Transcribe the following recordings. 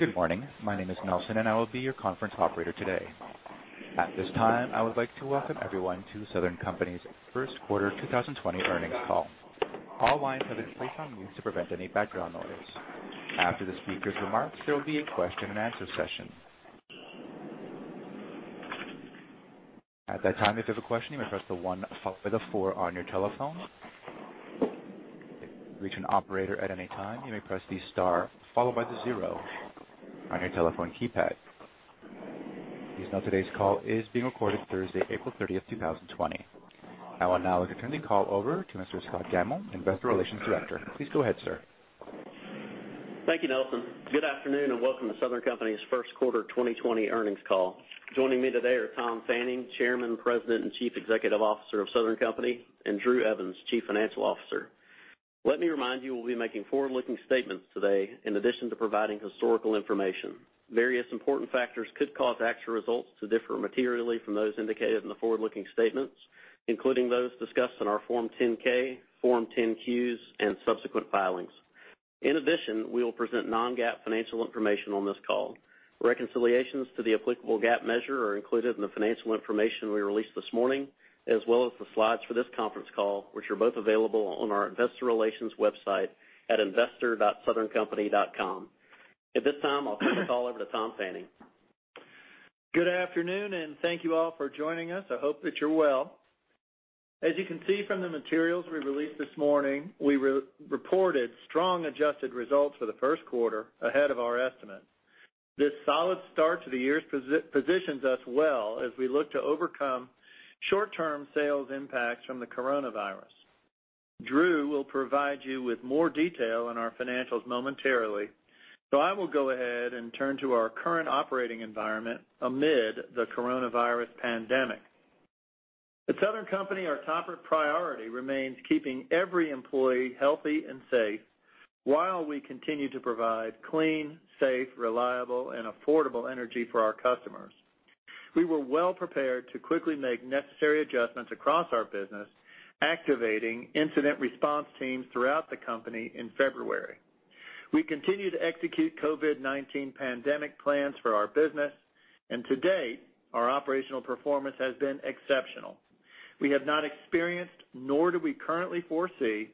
Good morning. My name is Nelson, and I will be your conference operator today. At this time, I would like to welcome everyone to Southern Company's first quarter 2020 earnings call. All lines have been placed on mute to prevent any background noise. After the speakers' remarks, there will be a question-and-answer session. At that time, if you have a question, you may press the one followed by the four on your telephone. To reach an operator at any time, you may press the star followed by the zero on your telephone keypad. Please note today's call is being recorded Thursday, April 30th, 2020. I will now turn the call over to Mr. Scott Gammill, Investor Relations Director. Please go ahead, sir. Thank you, Nelson. Good afternoon. Welcome to Southern Company's first quarter 2020 earnings call. Joining me today are Tom Fanning, Chairman, President, and Chief Executive Officer of Southern Company, and Drew Evans, Chief Financial Officer. Let me remind you, we'll be making forward-looking statements today in addition to providing historical information. Various important factors could cause actual results to differ materially from those indicated in the forward-looking statements, including those discussed in our Form 10-K, Form 10-Q, and subsequent filings. In addition, we will present non-GAAP financial information on this call. Reconciliations to the applicable GAAP measure are included in the financial information we released this morning as well as the slides for this conference call, which are both available on our investor relations website at investor.southerncompany.com. At this time, I'll turn the call over to Tom Fanning. Good afternoon, and thank you all for joining us. I hope that you're well. As you can see from the materials we released this morning, we reported strong adjusted results for the first quarter ahead of our estimate. This solid start to the year positions us well as we look to overcome short-term sales impacts from the coronavirus. Drew will provide you with more detail on our financials momentarily. I will go ahead and turn to our current operating environment amid the coronavirus pandemic. At Southern Company, our top priority remains keeping every employee healthy and safe while we continue to provide clean, safe, reliable, and affordable energy for our customers. We were well-prepared to quickly make necessary adjustments across our business, activating incident response teams throughout the company in February. We continue to execute COVID-19 pandemic plans for our business. To date, our operational performance has been exceptional. We have not experienced, nor do we currently foresee,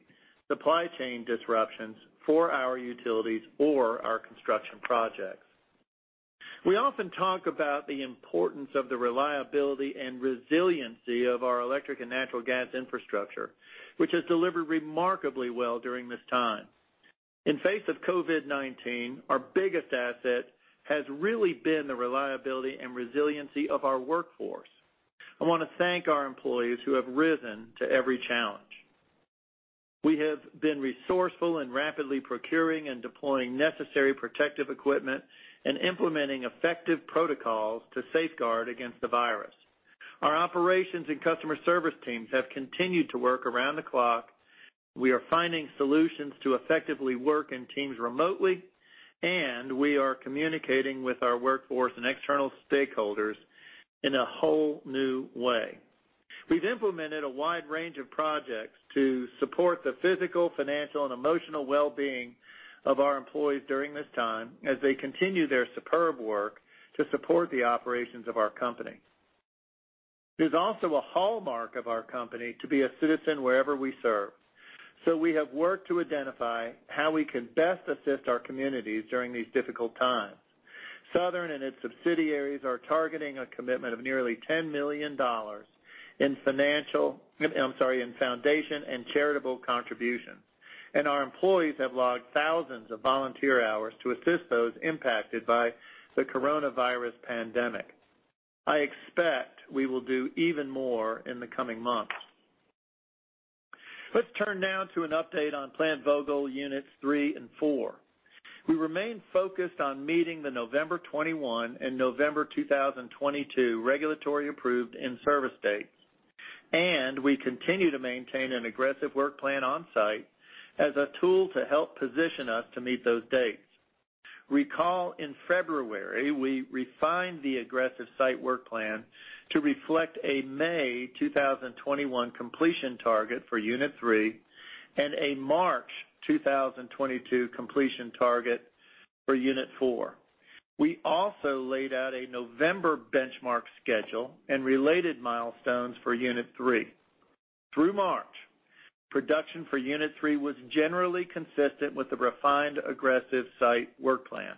supply chain disruptions for our utilities or our construction projects. We often talk about the importance of the reliability and resiliency of our electric and natural gas infrastructure, which has delivered remarkably well during this time. In face of COVID-19, our biggest asset has really been the reliability and resiliency of our workforce. I want to thank our employees who have risen to every challenge. We have been resourceful in rapidly procuring and deploying necessary protective equipment and implementing effective protocols to safeguard against the virus. Our operations and customer service teams have continued to work around the clock. We are finding solutions to effectively work in teams remotely. We are communicating with our workforce and external stakeholders in a whole new way. We've implemented a wide range of projects to support the physical, financial, and emotional well-being of our employees during this time as they continue their superb work to support the operations of our company. It is also a hallmark of our company to be a citizen wherever we serve. We have worked to identify how we can best assist our communities during these difficult times. Southern and its subsidiaries are targeting a commitment of nearly $10 million in foundation and charitable contributions. Our employees have logged thousands of volunteer hours to assist those impacted by the coronavirus pandemic. I expect we will do even more in the coming months. Let's turn now to an update on Plant Vogtle Units 3 and 4. We remain focused on meeting the November 2021 and November 2022 regulatory-approved in-service dates. We continue to maintain an aggressive work plan on-site as a tool to help position us to meet those dates. Recall in February, we refined the aggressive site work plan to reflect a May 2021 completion target for Unit 3 and a March 2022 completion target for Unit 4. We also laid out a November benchmark schedule and related milestones for Unit 3. Through March, production for Unit 3 was generally consistent with the refined aggressive site work plan.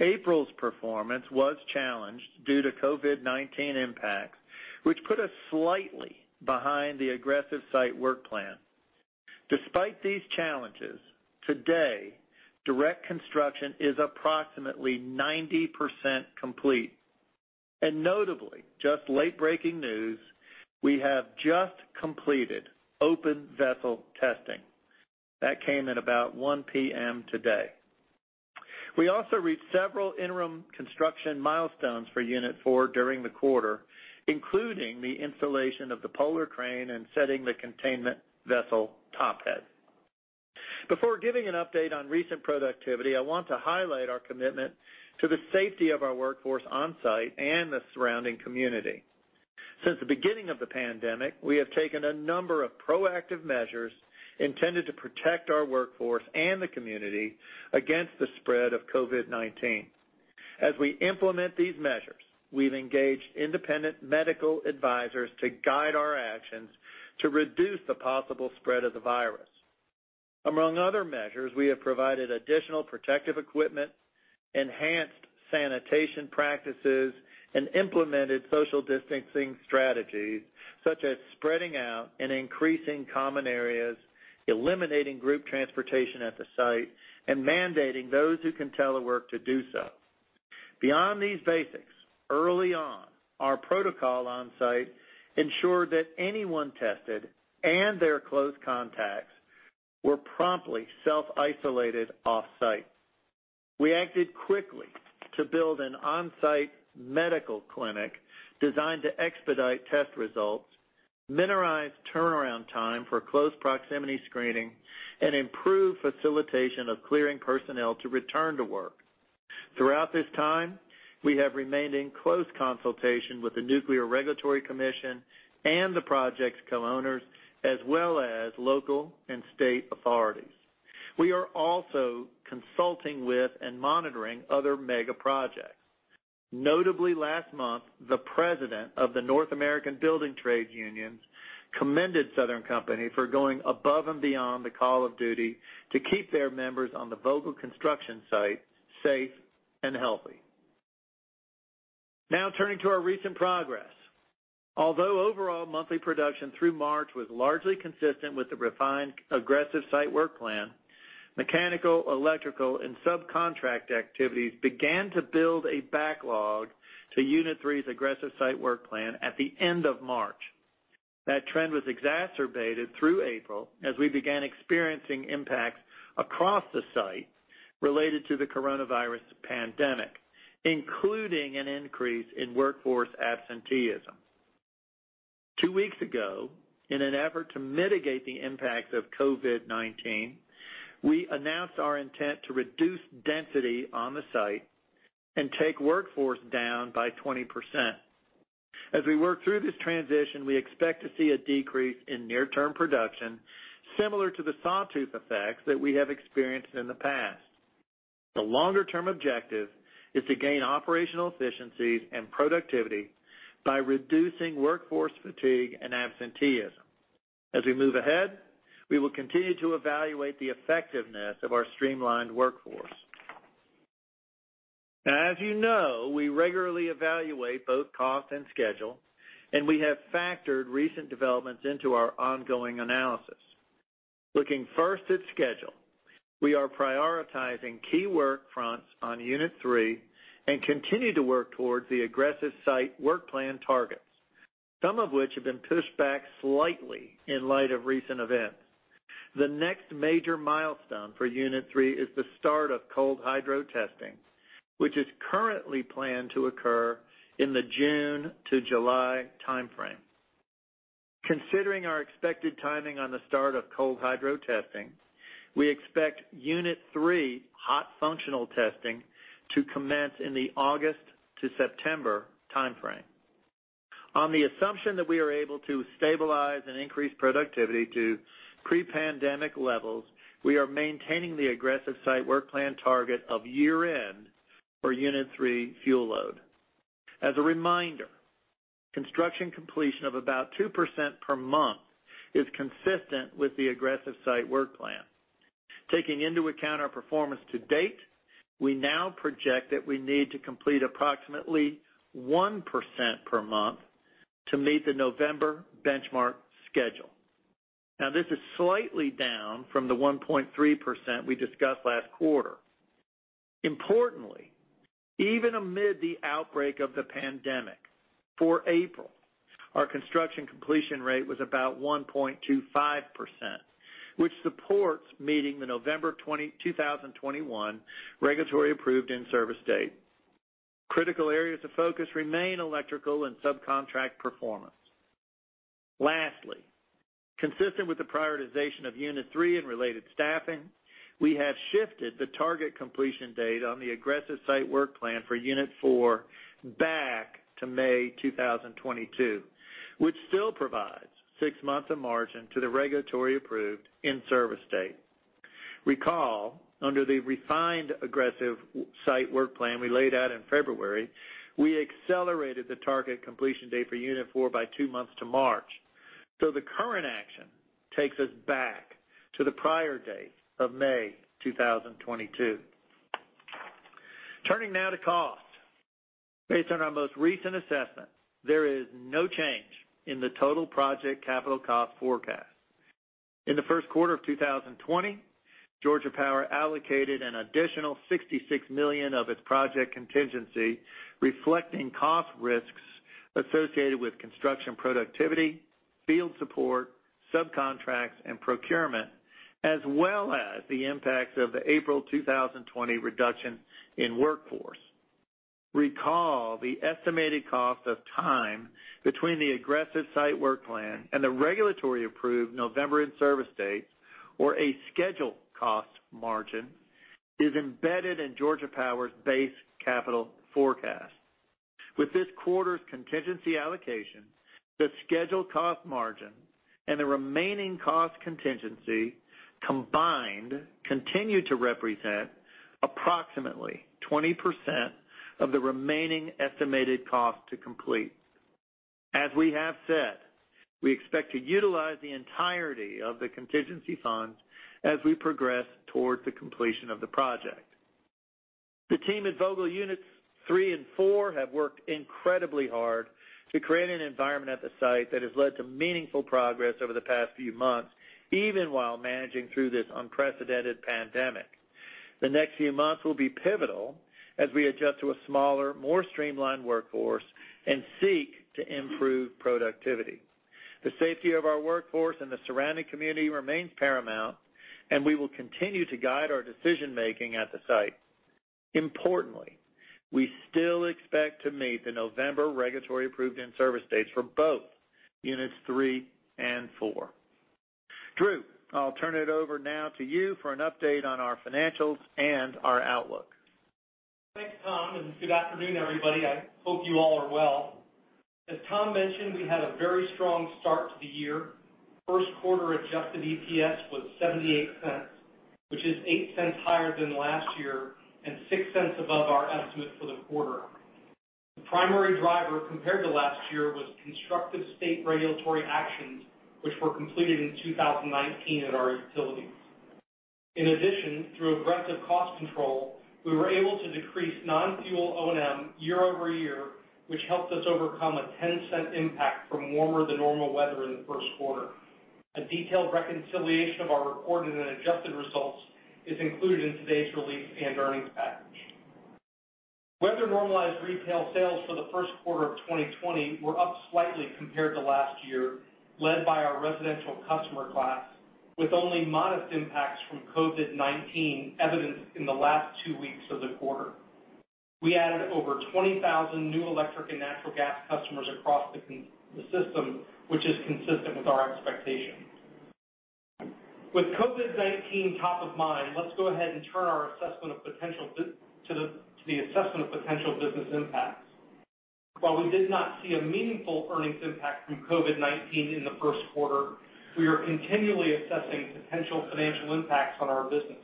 April's performance was challenged due to COVID-19 impacts, which put us slightly behind the aggressive site work plan. Despite these challenges, today, direct construction is approximately 90% complete. Notably, just late-breaking news, we have just completed open vessel testing. That came at about 1:00 P.M. today. We also reached several interim construction milestones for Unit 4 during the quarter, including the installation of the polar crane and setting the containment vessel top head. Before giving an update on recent productivity, I want to highlight our commitment to the safety of our workforce on-site and the surrounding community. Since the beginning of the pandemic, we have taken a number of proactive measures intended to protect our workforce and the community against the spread of COVID-19. As we implement these measures, we've engaged independent medical advisors to guide our actions to reduce the possible spread of the virus. Among other measures, we have provided additional protective equipment, enhanced sanitation practices, and implemented social distancing strategies such as spreading out and increasing common areas, eliminating group transportation at the site, and mandating those who can telework to do so. Beyond these basics, early on, our protocol on site ensured that anyone tested, and their close contacts, were promptly self-isolated off-site. We acted quickly to build an on-site medical clinic designed to expedite test results, minimize turnaround time for close proximity screening, and improve facilitation of clearing personnel to return to work. Throughout this time, we have remained in close consultation with the Nuclear Regulatory Commission and the project's co-owners, as well as local and state authorities. We are also consulting with and monitoring other mega projects. Notably, last month, the president of the North America's Building Trades Unions commended Southern Company for going above and beyond the call of duty to keep their members on the Vogtle construction site safe and healthy. Turning to our recent progress. Although overall monthly production through March was largely consistent with the refined aggressive site work plan, mechanical, electrical, and subcontract activities began to build a backlog to Unit 3's aggressive site work plan at the end of March. That trend was exacerbated through April as we began experiencing impacts across the site related to the coronavirus pandemic, including an increase in workforce absenteeism. Two weeks ago, in an effort to mitigate the impact of COVID-19, we announced our intent to reduce density on the site and take workforce down by 20%. As we work through this transition, we expect to see a decrease in near-term production similar to the sawtooth effects that we have experienced in the past. The longer-term objective is to gain operational efficiencies and productivity by reducing workforce fatigue and absenteeism. As we move ahead, we will continue to evaluate the effectiveness of our streamlined workforce. Now, as you know, we regularly evaluate both cost and schedule, and we have factored recent developments into our ongoing analysis. Looking first at schedule, we are prioritizing key work fronts on Unit 3 and continue to work towards the aggressive site work plan targets, some of which have been pushed back slightly in light of recent events. The next major milestone for Unit 3 is the start of cold hydro testing, which is currently planned to occur in the June to July timeframe. Considering our expected timing on the start of cold hydro testing, we expect Unit 3 hot functional testing to commence in the August-September timeframe. On the assumption that we are able to stabilize and increase productivity to pre-pandemic levels, we are maintaining the aggressive site work plan target of year-end for Unit 3 fuel load. As a reminder, construction completion of about 2% per month is consistent with the aggressive site work plan. Taking into account our performance to date, we now project that we need to complete approximately 1% per month to meet the November benchmark schedule. This is slightly down from the 1.3% we discussed last quarter. Importantly, even amid the outbreak of the pandemic, for April, our construction completion rate was about 1.25%, which supports meeting the November 2021 regulatory approved in-service date. Critical areas of focus remain electrical and subcontract performance. Lastly, consistent with the prioritization of Unit 3 and related staffing, we have shifted the target completion date on the aggressive site work plan for Unit 4 back to May 2022, which still provides six months of margin to the regulatory approved in-service date. Recall, under the refined aggressive site work plan we laid out in February, we accelerated the target completion date for Unit 4 by two months to March. The current action takes us back to the prior date of May 2022. Turning now to cost. Based on our most recent assessment, there is no change in the total project capital cost forecast. In the first quarter of 2020, Georgia Power allocated an additional $66 million of its project contingency, reflecting cost risks associated with construction productivity, field support, subcontracts, and procurement, as well as the impacts of the April 2020 reduction in workforce. Recall the estimated cost of time between the aggressive site work plan and the regulatory approved November in-service date, or a schedule cost margin is embedded in Georgia Power's base capital forecast. With this quarter's contingency allocation, the scheduled cost margin, and the remaining cost contingency combined continue to represent approximately 20% of the remaining estimated cost to complete. As we have said, we expect to utilize the entirety of the contingency funds as we progress towards the completion of the project. The team at Vogtle Units 3 and 4 have worked incredibly hard to create an environment at the site that has led to meaningful progress over the past few months, even while managing through this unprecedented pandemic. The next few months will be pivotal as we adjust to a smaller, more streamlined workforce and seek to improve productivity. The safety of our workforce and the surrounding community remains paramount, and we will continue to guide our decision-making at the site. Importantly, we still expect to meet the November regulatory approved in-service dates for both Units 3 and 4. Drew, I'll turn it over now to you for an update on our financials and our outlook. Thanks, Tom, good afternoon, everybody. I hope you all are well. As Tom mentioned, we had a very strong start to the year. First quarter adjusted EPS was $0.78, which is $0.08 higher than last year and $0.06 above our estimate for the quarter. The primary driver compared to last year was constructive state regulatory actions, which were completed in 2019 at our utilities. In additon through aggressive cost control, we were able to decrease non-fuel O&M year-over-year, which helped us overcome a $0.10 impact from warmer than normal weather in the first quarter. A detailed reconciliation of our reported and adjusted results is included in today's release and earnings package. Weather-normalized retail sales for the first quarter of 2020 were up slightly compared to last year, led by our residential customer class, with only modest impacts from COVID-19 evidenced in the last two weeks of the quarter. We added over 20,000 new electric and natural gas customers across the system, which is consistent with our expectations. With COVID-19 top of mind, let's go ahead and turn our assessment of potential to the assessment of potential business impacts. While we did not see a meaningful earnings impact from COVID-19 in the first quarter, we are continually assessing potential financial impacts on our business.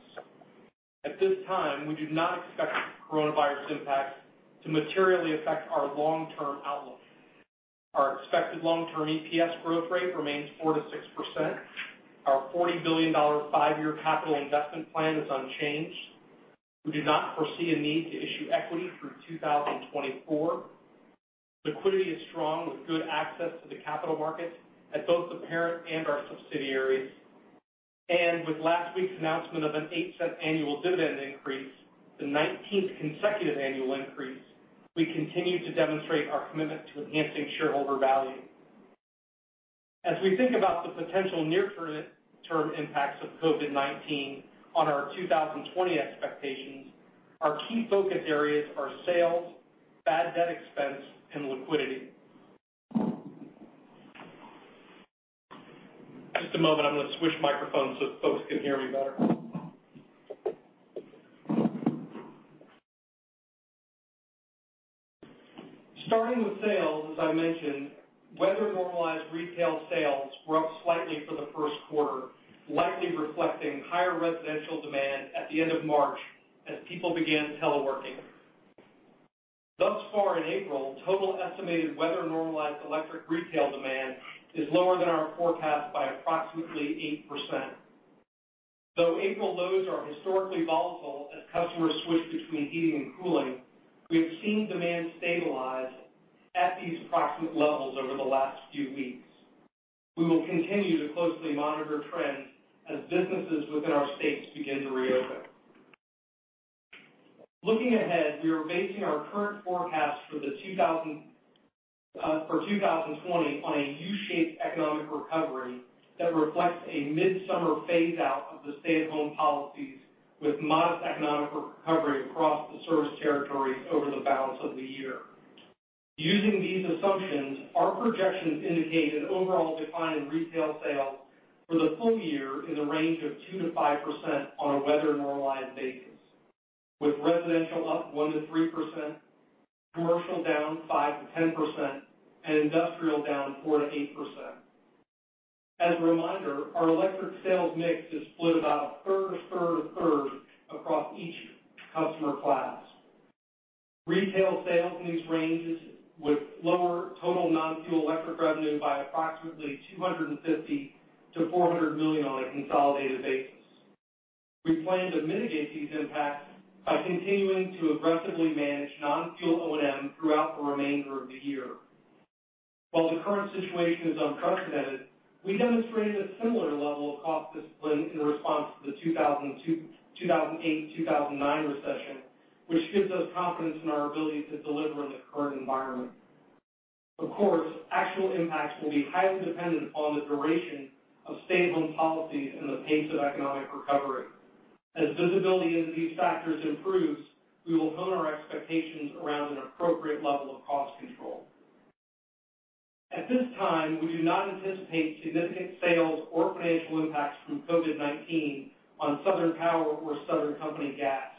At this time, we do not expect coronavirus impacts to materially affect our long-term outlook. Our expected long-term EPS growth rate remains 4%-6%. Our $40 billion five-year capital investment plan is unchanged. We do not foresee a need to issue equity through 2024. Liquidity is strong with good access to the capital markets at both the parent and our subsidiaries. With last week's announcement of an $0.08 annual dividend increase, the 19th consecutive annual increase, we continue to demonstrate our commitment to enhancing shareholder value. As we think about the potential near-term impacts of COVID-19 on our 2020 expectations, our key focus areas are sales, bad debt expense, and liquidity. Just a moment, I'm going to switch microphones so folks can hear me better. Starting with sales, as I mentioned, weather-normalized retail sales were up slightly for the first quarter, likely reflecting higher residential demand at the end of March as people began teleworking. Thus far in April, total estimated weather-normalized electric retail demand is lower than our forecast by approximately 8%. Though April lows are historically volatile as customers switch between heating and cooling, we have seen demand stabilize at these approximate levels over the last few weeks. We will continue to closely monitor trends as businesses within our states begin to reopen. Looking ahead, we are basing our current forecast for 2020 on a U-shaped economic recovery that reflects a midsummer phase-out of the stay-at-home policies with modest economic recovery across the service territories over the balance of the year. Using these assumptions, our projections indicate an overall decline in retail sales for the full year in the range of 2%-5% on a weather-normalized basis, with residential up 1%-3%, commercial down 5%-10%, and industrial down 4%-8%. As a reminder, our electric sales mix is split about a third, a third, a third across each customer class. Retail sales in these ranges would lower total non-fuel electric revenue by approximately $250 million-$400 million on a consolidated basis. We plan to mitigate these impacts by continuing to aggressively manage non-fuel O&M throughout the remainder of the year. While the current situation is unprecedented, we demonstrated a similar level of cost discipline in response to the 2008 to 2009 recession, which gives us confidence in our ability to deliver in the current environment. Actual impacts will be highly dependent on the duration of stay-at-home policies and the pace of economic recovery. As visibility into these factors improves, we will hone our expectations around an appropriate level of cost control. At this time, we do not anticipate significant sales or financial impacts from COVID-19 on Southern Power or Southern Company Gas.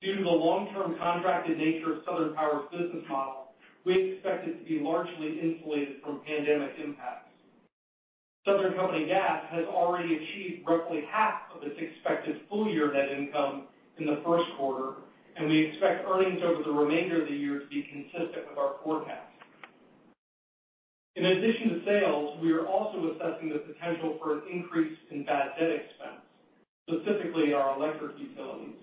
Due to the long-term contracted nature of Southern Power's business model, we expect it to be largely insulated from pandemic impacts. Southern Company Gas has already achieved roughly half of its expected full-year net income in the first quarter, and we expect earnings over the remainder of the year to be consistent with our forecast. In addition to sales, we are also assessing the potential for an increase in bad debt expense, specifically our electric utilities.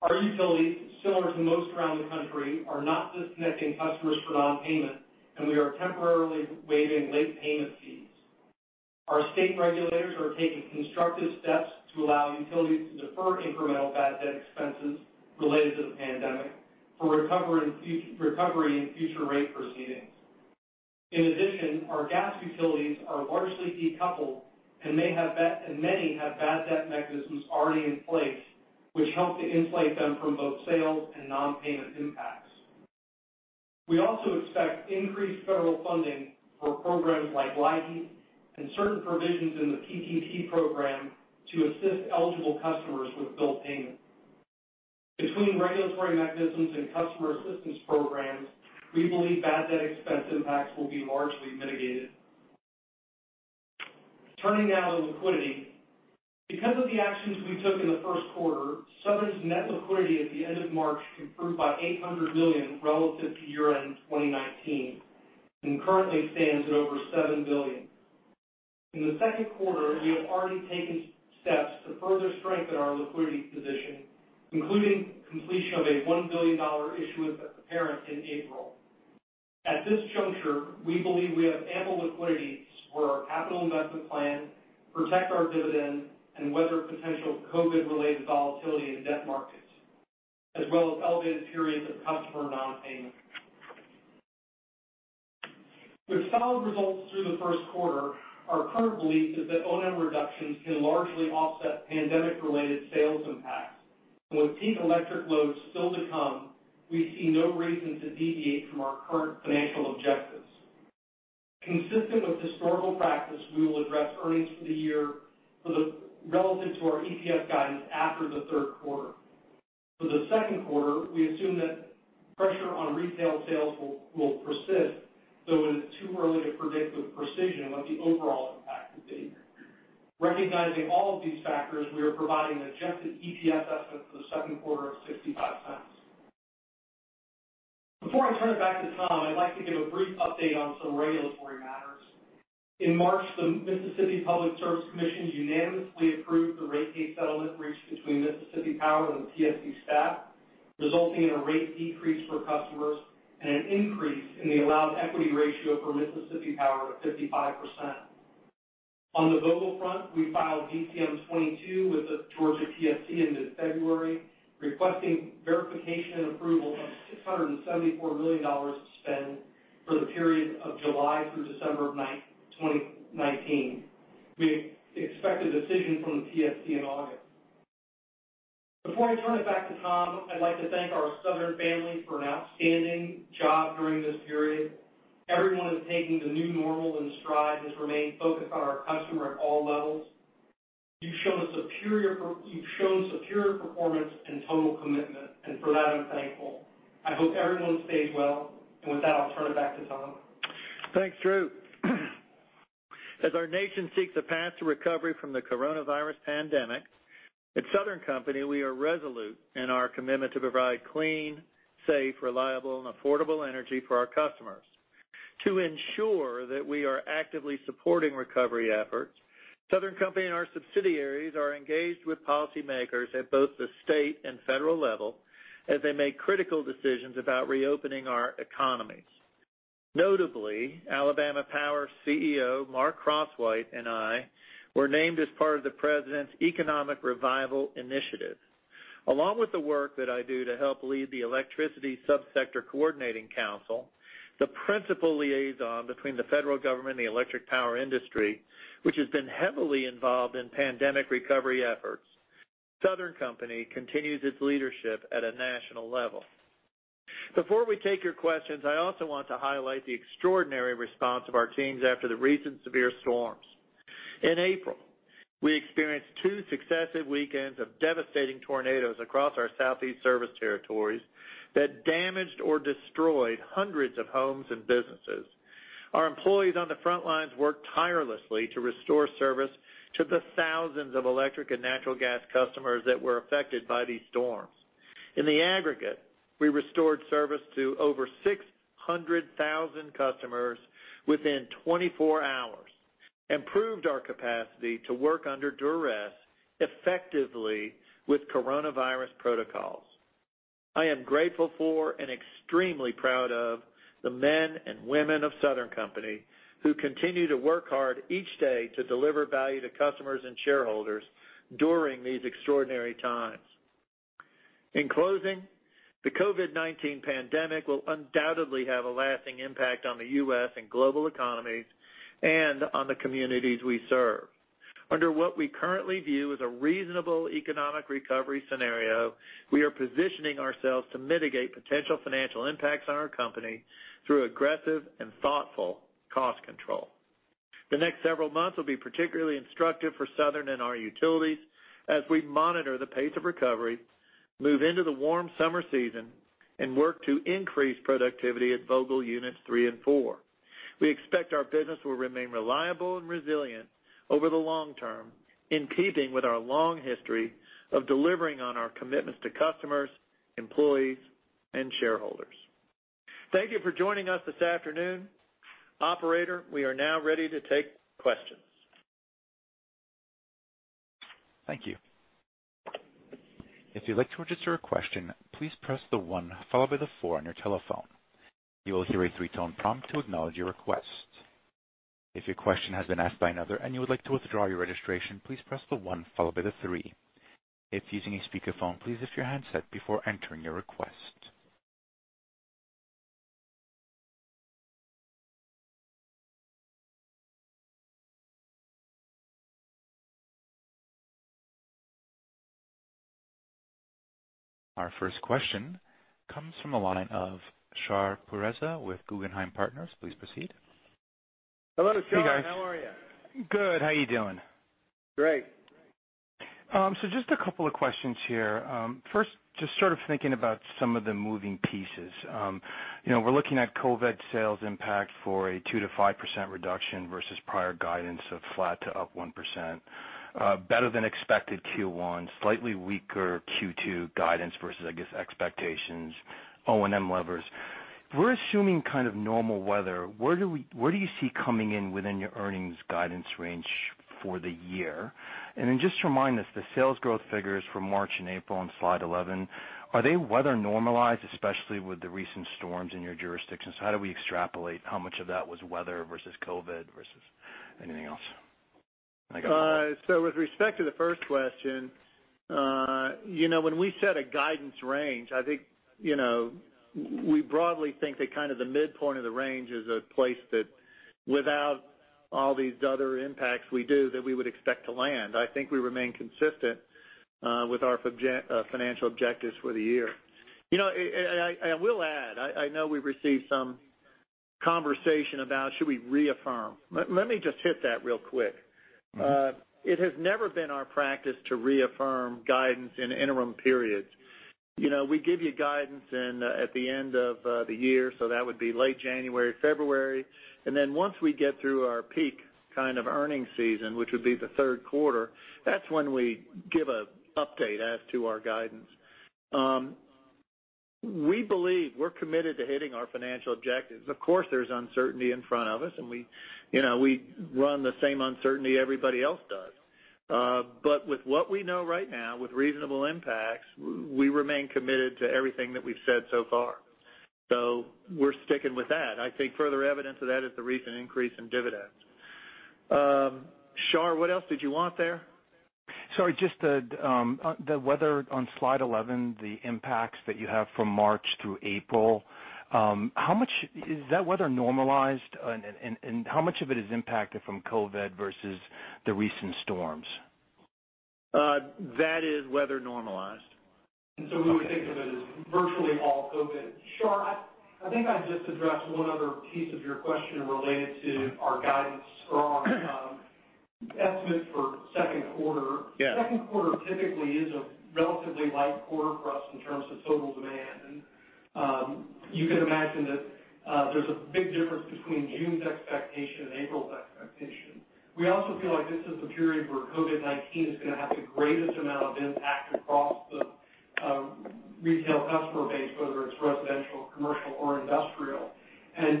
Our utilities, similar to most around the country, are not disconnecting customers for non-payment, and we are temporarily waiving late payment fees. Our state regulators are taking constructive steps to allow utilities to defer incremental bad debt expenses related to the pandemic for recovery in future rate proceedings. In addition, our gas utilities are largely decoupled and many have bad debt mechanisms already in place, which help to insulate them from both sales and non-payment impacts. We also expect increased federal funding for programs like LIHEAP and certain provisions in the PPP program to assist eligible customers with bill payment. Between regulatory mechanisms and customer assistance programs, we believe bad debt expense impacts will be largely mitigated. Turning now to liquidity. Because of the actions we took in the first quarter, Southern's net liquidity at the end of March improved by $800 million relative to year-end 2019 and currently stands at over $7 billion. In the second quarter, we have already taken steps to further strengthen our liquidity position, including completion of a $1 billion issuance at the parent in April. At this juncture, we believe we have ample liquidity for our capital investment plan, protect our dividend and weather potential COVID-related volatility in debt markets, as well as elevated periods of customer non-payment. With solid results through the first quarter, our current belief is that O&M reductions can largely offset pandemic-related sales impacts. With peak electric loads still to come, we see no reason to deviate from our current financial objectives. Consistent with historical practice, we will address earnings for the year relative to our EPS guidance after the third quarter. For the second quarter, we assume that pressure on retail sales will persist, though it is too early to predict with precision what the overall impact will be. Recognizing all of these factors, we are providing an adjusted EPS estimate for the second quarter of $0.65. Before I turn it back to Tom, I'd like to give a brief update on some regulatory matters. In March, the Mississippi Public Service Commission unanimously approved the rate case settlement reached between Mississippi Power and the PSC staff, resulting in a rate decrease for customers and an increase in the allowed equity ratio for Mississippi Power of 55%. On the Vogtle front, we filed VCM 22 with the Georgia PSC in mid-February, requesting verification and approval of $674 million of spend for the period of July through December of 2019. We expect a decision from the PSC in August. Before I turn it back to Tom, I'd like to thank our Southern family for an outstanding job during this period. Everyone has taken the new normal in stride and has remained focused on our customer at all levels. You've shown superior performance and total commitment, and for that, I'm thankful. I hope everyone stays well, and with that, I'll turn it back to Tom. Thanks, Drew. As our nation seeks a path to recovery from the coronavirus pandemic, at Southern Company, we are resolute in our commitment to provide clean, safe, reliable, and affordable energy for our customers. To ensure that we are actively supporting recovery efforts, Southern Company and our subsidiaries are engaged with policymakers at both the state and federal level as they make critical decisions about reopening our economies. Notably, Alabama Power CEO, Mark Crosswhite, and I were named as part of the President's Economic Revival Initiative. Along with the work that I do to help lead the Electricity Subsector Coordinating Council, the principal liaison between the federal government and the electric power industry, which has been heavily involved in pandemic recovery efforts, Southern Company continues its leadership at a national level. Before we take your questions, I also want to highlight the extraordinary response of our teams after the recent severe storms. In April, we experienced two successive weekends of devastating tornadoes across our Southeast service territories that damaged or destroyed hundreds of homes and businesses. Our employees on the front lines worked tirelessly to restore service to the thousands of electric and natural gas customers that were affected by these storms. In the aggregate, we restored service to over 600,000 customers within 24 hours and proved our capacity to work under duress effectively with Coronavirus protocols. I am grateful for and extremely proud of the men and women of Southern Company who continue to work hard each day to deliver value to customers and shareholders during these extraordinary times. In closing, the COVID-19 pandemic will undoubtedly have a lasting impact on the U.S. and global economies and on the communities we serve. Under what we currently view as a reasonable economic recovery scenario, we are positioning ourselves to mitigate potential financial impacts on our company through aggressive and thoughtful cost control. The next several months will be particularly instructive for Southern and our utilities as we monitor the pace of recovery, move into the warm summer season, and work to increase productivity at Vogtle Units 3 and 4. We expect our business will remain reliable and resilient over the long term, in keeping with our long history of delivering on our commitments to customers, employees, and shareholders. Thank you for joining us this afternoon. Operator, we are now ready to take questions. Thank you. If you'd like to register a question, please press the one followed by the four on your telephone. You will hear a three-tone prompt to acknowledge your request. If your question has been asked by another and you would like to withdraw your registration, please press the one followed by the three. If using a speakerphone, please lift your handset before entering your request. Our first question comes from the line of Shar Pourreza with Guggenheim Partners`. Please proceed. Hello, Shar. Hey, guys. How are you? Good. How you doing? Great. Just a couple of questions here. First, just sort of thinking about some of the moving pieces. We're looking at COVID sales impact for a 2%-5% reduction versus prior guidance of flat to up 1%. Better than expected Q1, slightly weaker Q2 guidance versus, I guess, expectations, O&M levers. If we're assuming kind of normal weather, where do you see coming in within your earnings guidance range for the year? Just remind us, the sales growth figures for March and April on slide 11, are they weather normalized, especially with the recent storms in your jurisdictions? How do we extrapolate how much of that was weather versus COVID versus anything else? With respect to the first question, when we set a guidance range, I think we broadly think that kind of the midpoint of the range is a place that without all these other impacts we do, that we would expect to land. I think we remain consistent with our financial objectives for the year. I will add, I know we received some conversation about should we reaffirm. Let me just hit that real quick. It has never been our practice to reaffirm guidance in interim periods. We give you guidance at the end of the year. That would be late January, February. Once we get through our peak kind of earnings season, which would be the third quarter, that's when we give an update as to our guidance. We believe we're committed to hitting our financial objectives. Of course, there's uncertainty in front of us, and we run the same uncertainty everybody else does. With what we know right now, with reasonable impacts, we remain committed to everything that we've said so far. We're sticking with that. I think further evidence of that is the recent increase in dividends. Shar, what else did you want there? Sorry, just the weather on slide 11, the impacts that you have from March through April, is that weather normalized and how much of it is impacted from COVID versus the recent storms? That is weather normalized. Okay. We would think of it as virtually all COVID. Shar, I think I'd just address one other piece of your question related to our guidance for our estimate for second quarter. Yeah. Second quarter typically is a relatively light quarter for us in terms of total demand. You can imagine that there's a big difference between June's expectation and April's expectation. We also feel like this is the period where COVID-19 is going to have the greatest amount of impact across the retail customer base, whether it's residential, commercial, or industrial.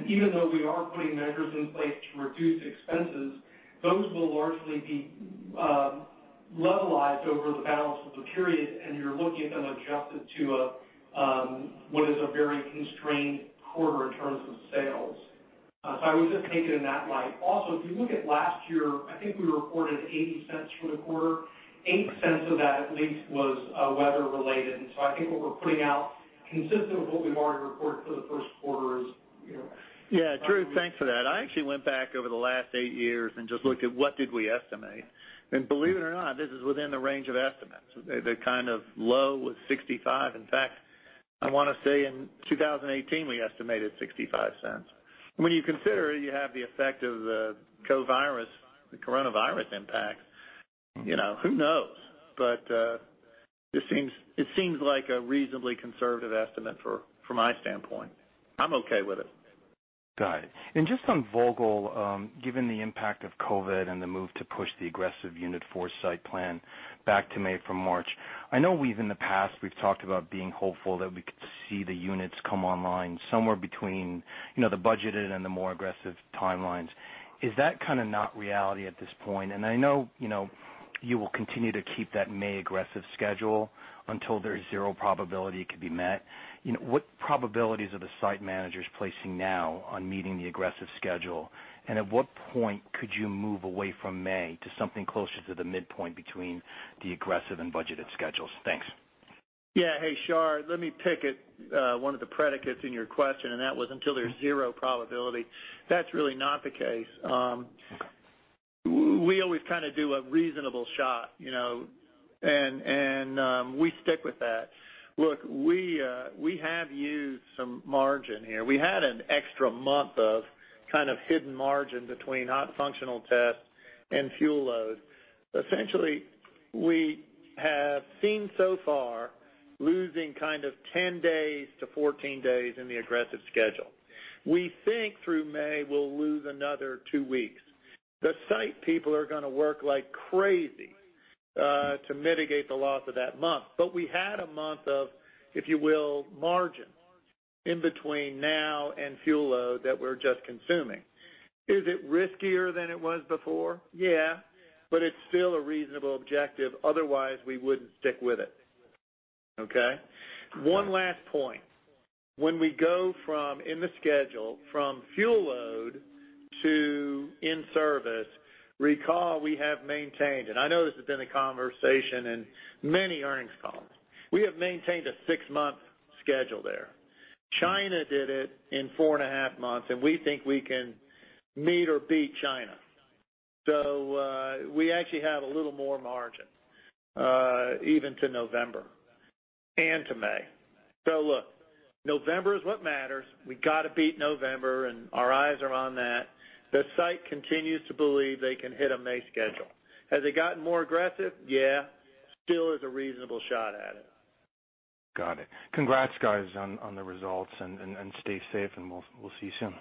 Even though we are putting measures in place to reduce expenses, those will largely be levelized over the balance of the period, and you're looking at them adjusted to what is a very constrained quarter in terms of sales. I would just take it in that light. Also, if you look at last year, I think we reported $0.80 for the quarter. $0.08 of that at least was weather related. I think what we're putting out consistent with what we've already reported for the first quarter is. Yeah, Drew, thanks for that. I actually went back over the last eight years and just looked at what did we estimate. Believe it or not, this is within the range of estimates. The kind of low was $0.65. In fact, I want to say in 2018, we estimated $0.65. When you consider you have the effect of the coronavirus impact, who knows? It seems like a reasonably conservative estimate from my standpoint. I'm okay with it. Got it. Just on Vogtle, given the impact of COVID and the move to push the aggressive Unit 4 site plan back to May from March, I know in the past we've talked about being hopeful that we could see the units come online somewhere between the budgeted and the more aggressive timelines. Is that kind of not reality at this point? I know you will continue to keep that May aggressive schedule until there is zero probability it could be met. What probabilities are the site managers placing now on meeting the aggressive schedule? At what point could you move away from May to something closer to the midpoint between the aggressive and budgeted schedules? Thanks. Yeah. Hey, Shar, let me pick at one of the predicates in your question, that was until there's zero probability. That's really not the case. We always kind of do a reasonable shot, we stick with that. Look, we have used some margin here. We had an extra month of kind of hidden margin between hot functional test and fuel load. Essentially, we have seen so far losing kind of 10 days-14 days in the aggressive schedule. We think through May we'll lose another two weeks. The site people are going to work like crazy to mitigate the loss of that month. We had a month of, if you will, margin in between now and fuel load that we're just consuming. Is it riskier than it was before? Yeah. It's still a reasonable objective, otherwise we wouldn't stick with it. Okay? One last point. When we go from in the schedule, from fuel load to in-service, recall we have maintained, and I know this has been a conversation in many earnings calls. We have maintained a six-month schedule there. China did it in four and a half months, and we think we can meet or beat China. We actually have a little more margin even to November and to May. Look, November is what matters. We got to beat November, and our eyes are on that. The site continues to believe they can hit a May schedule. Has it gotten more aggressive? Yeah. It still is a reasonable shot at it. Got it. Congrats, guys, on the results, stay safe, we'll see you soon.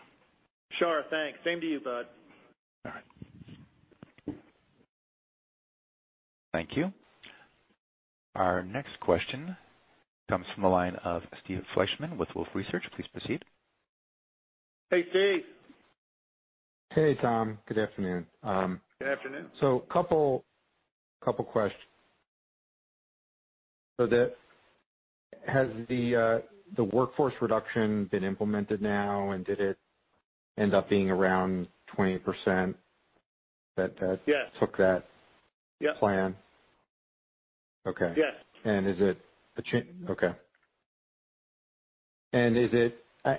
Sure. Thanks. Same to you, bud. All right. Thank you. Our next question comes from the line of Steve Fleishman with Wolfe Research. Please proceed. Hey, Steve. Hey, Tom. Good afternoon. Good afternoon. A couple questions. Has the workforce reduction been implemented now, and did it end up being around 20%? Yes Took that. Yes Plan? Okay. Yes. Is it okay?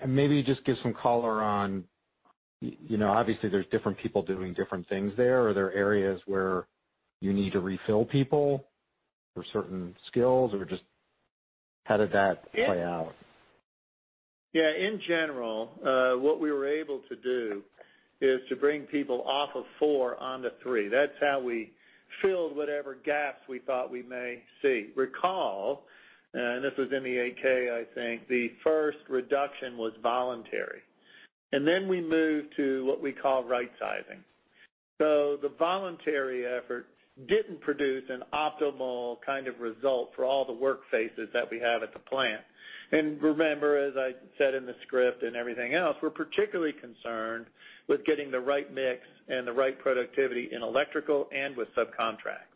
Maybe just give some color on, obviously there's different people doing different things there. Are there areas where you need to refill people for certain skills or just how did that play out? Yeah, in general, what we were able to do is to bring people off of four onto three. That's how we filled whatever gaps we thought we may see. Recall, and this was in the 8-K, I think, the first reduction was voluntary, and then we moved to what we call right-sizing. The voluntary effort didn't produce an optimal kind of result for all the work phases that we have at the plant. Remember, as I said in the script and everything else, we're particularly concerned with getting the right mix and the right productivity in electrical and with subcontracts.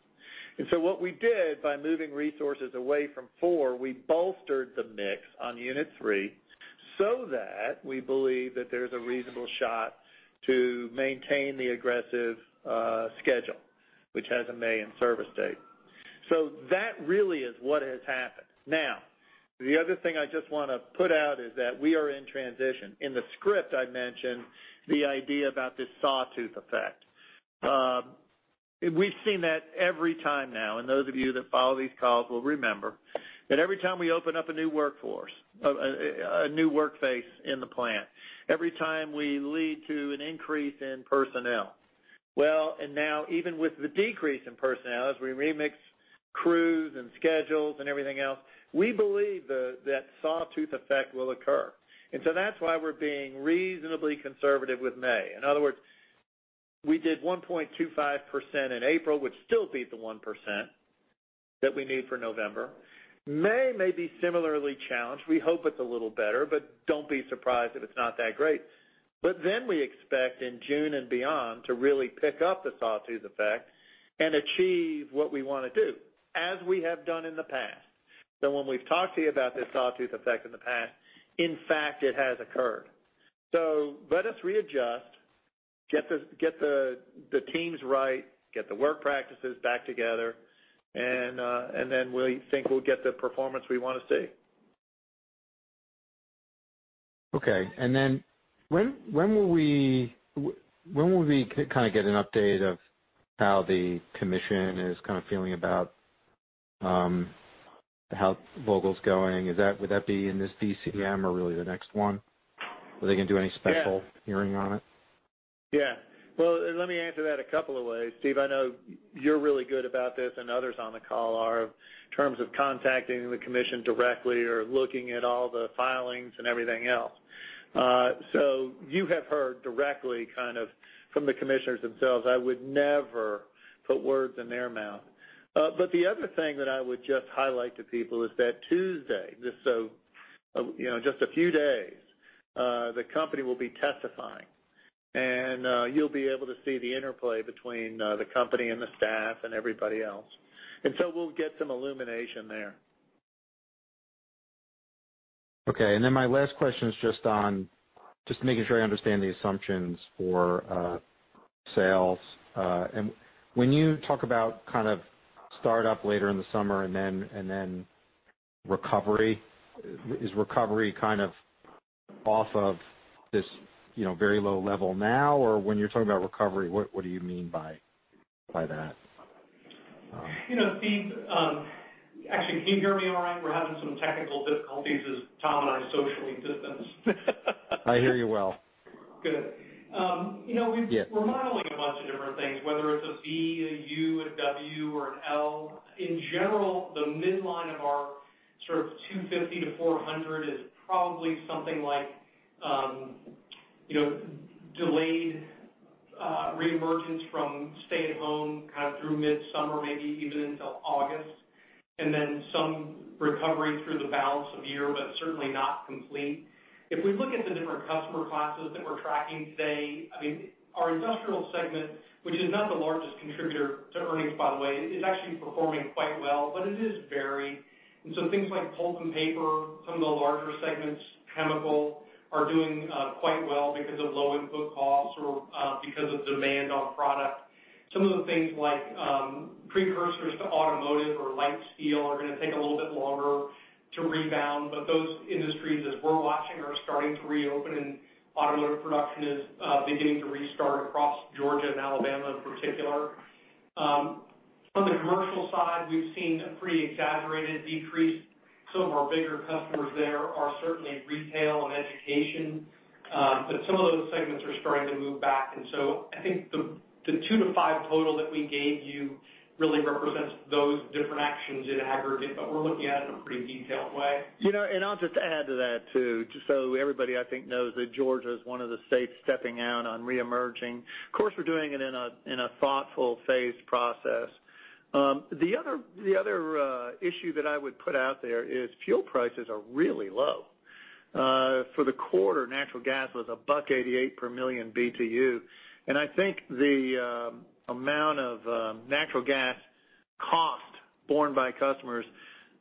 What we did by moving resources away from four, we bolstered the mix on unit three so that we believe that there's a reasonable shot to maintain the aggressive schedule, which has a May in-service date. That really is what has happened. The other thing I just want to put out is that we are in transition. In the script, I mentioned the idea about this sawtooth effect. We've seen that every time now, and those of you that follow these calls will remember that every time we open up a new workforce, a new work phase in the plant, every time we lead to an increase in personnel. Well, even with the decrease in personnel, as we remix crews and schedules and everything else, we believe that sawtooth effect will occur. That's why we're being reasonably conservative with May. In other words, we did 1.25% in April, which still beat the 1% that we need for November. May may be similarly challenged. We hope it's a little better, but don't be surprised if it's not that great. We expect in June and beyond to really pick up the sawtooth effect and achieve what we want to do, as we have done in the past. When we've talked to you about this sawtooth effect in the past, in fact, it has occurred. Let us readjust, get the teams right, get the work practices back together, and then we think we'll get the performance we want to see. Okay. When will we kind of get an update of how the Commission is kind of feeling about how Vogtle's going? Would that be in this VCM or really the next one? Are they going to do any special- Yeah Hearing on it? Well, let me answer that a couple of ways, Steve. I know you're really good about this and others on the call are, in terms of contacting the commission directly or looking at all the filings and everything else. You have heard directly kind of from the commissioners themselves. I would never put words in their mouth. The other thing that I would just highlight to people is that Tuesday, so in just a few days, the company will be testifying, and you'll be able to see the interplay between the company and the staff and everybody else. We'll get some illumination there. Okay. My last question is just on making sure I understand the assumptions for sales. When you talk about kind of startup later in the summer and then recovery, is recovery kind of off of this very low level now? When you're talking about recovery, what do you mean by that? Steve, actually, can you hear me all right? We're having some technical difficulties as Tom and I socially distance. I hear you well. Good. Yeah. We're modeling a bunch of different things, whether it's a V, a U, a W, or an L. In general, the midline of our sort of 250-400 is probably something like delayed reemergence from stay-at-home kind of through midsummer, maybe even until August, and then some recovery through the balance of the year, but certainly not complete. If we look at the different customer classes that we're tracking today, our industrial segment, which is not the largest contributor to earnings, by the way, is actually performing quite well, but it is varied. Things like pulp and paper, some of the larger segments, chemical, are doing quite well because of low input costs or because of demand on product. Some of the things like precursors to automotive or light steel are going to take a little bit longer to rebound. Those industries, as we're watching, are starting to reopen, and automotive production is beginning to restart across Georgia and Alabama in particular. On the commercial side, we've seen a pretty exaggerated decrease. Some of our bigger customers there are certainly retail and education. Some of those segments are starting to move back. I think the two to five total that we gave you really represents those different actions in aggregate, but we're looking at it in a pretty detailed way. I'll just add to that, too, just so everybody I think knows that Georgia is one of the states stepping out on reemerging. Of course, we're doing it in a thoughtful, phased process. The other issue that I would put out there is fuel prices are really low. For the quarter, natural gas was $1.88 per million BTU, and I think the amount of natural gas cost borne by customers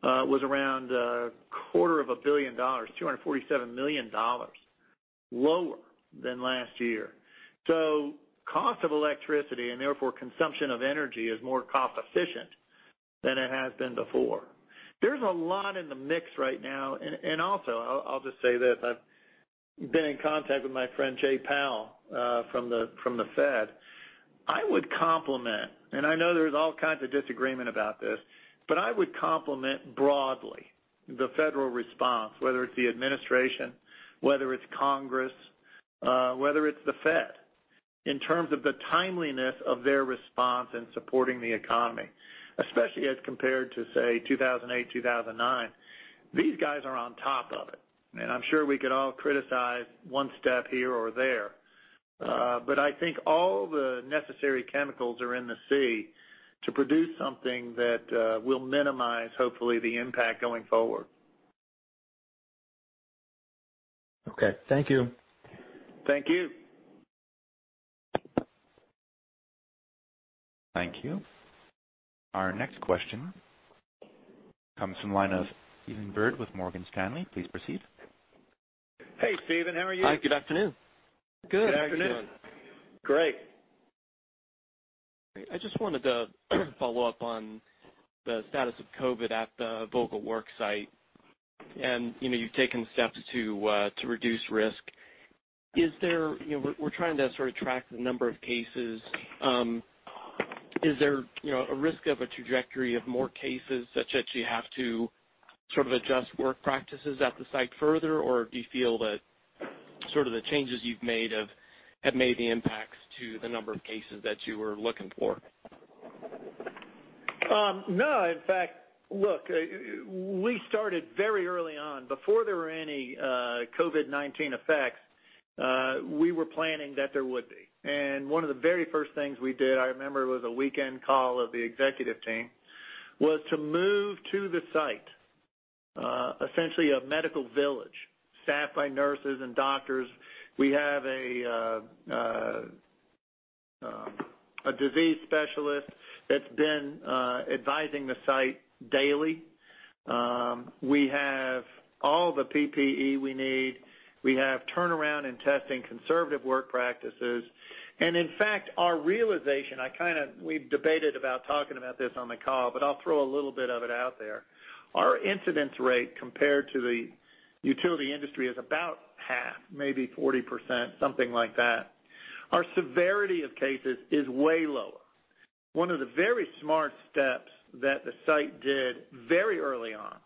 was around a quarter of a billion dollars, $247 million lower than last year. Cost of electricity, and therefore consumption of energy, is more cost-efficient than it has been before. There's a lot in the mix right now. Also, I'll just say this. I've been in contact with my friend Jerome Powell from the Fed. I would compliment, and I know there's all kinds of disagreement about this, but I would compliment broadly the federal response, whether it's the administration, whether it's Congress, whether it's the Fed, in terms of the timeliness of their response in supporting the economy, especially as compared to, say, 2008-2009. These guys are on top of it, and I'm sure we could all criticize one step here or there. I think all the necessary chemicals are in the sea to produce something that will minimize, hopefully, the impact going forward. Okay. Thank you. Thank you. Thank you. Our next question comes from the line of Stephen Byrd with Morgan Stanley. Please proceed. Hey, Stephen. How are you? Hi, good afternoon. Good afternoon. Great. I just wanted to follow up on the status of COVID at the Vogtle work site. You've taken steps to reduce risk. We're trying to sort of track the number of cases. Is there a risk of a trajectory of more cases such that you have to sort of adjust work practices at the site further, or do you feel that sort of the changes you've made have made the impacts to the number of cases that you were looking for? No. In fact, look, we started very early on. Before there were any COVID-19 effects, we were planning that there would be. One of the very first things we did, I remember it was a weekend call of the executive team, was to move to the site essentially a medical village staffed by nurses and doctors. We have a disease specialist that's been advising the site daily. We have all the PPE we need. We have turnaround in testing, conservative work practices, and in fact, our realization, we've debated about talking about this on the call, but I'll throw a little bit of it out there. Our incidence rate compared to the utility industry is about half, maybe 40%, something like that. Our severity of cases is way lower. One of the very smart steps that the site did very early on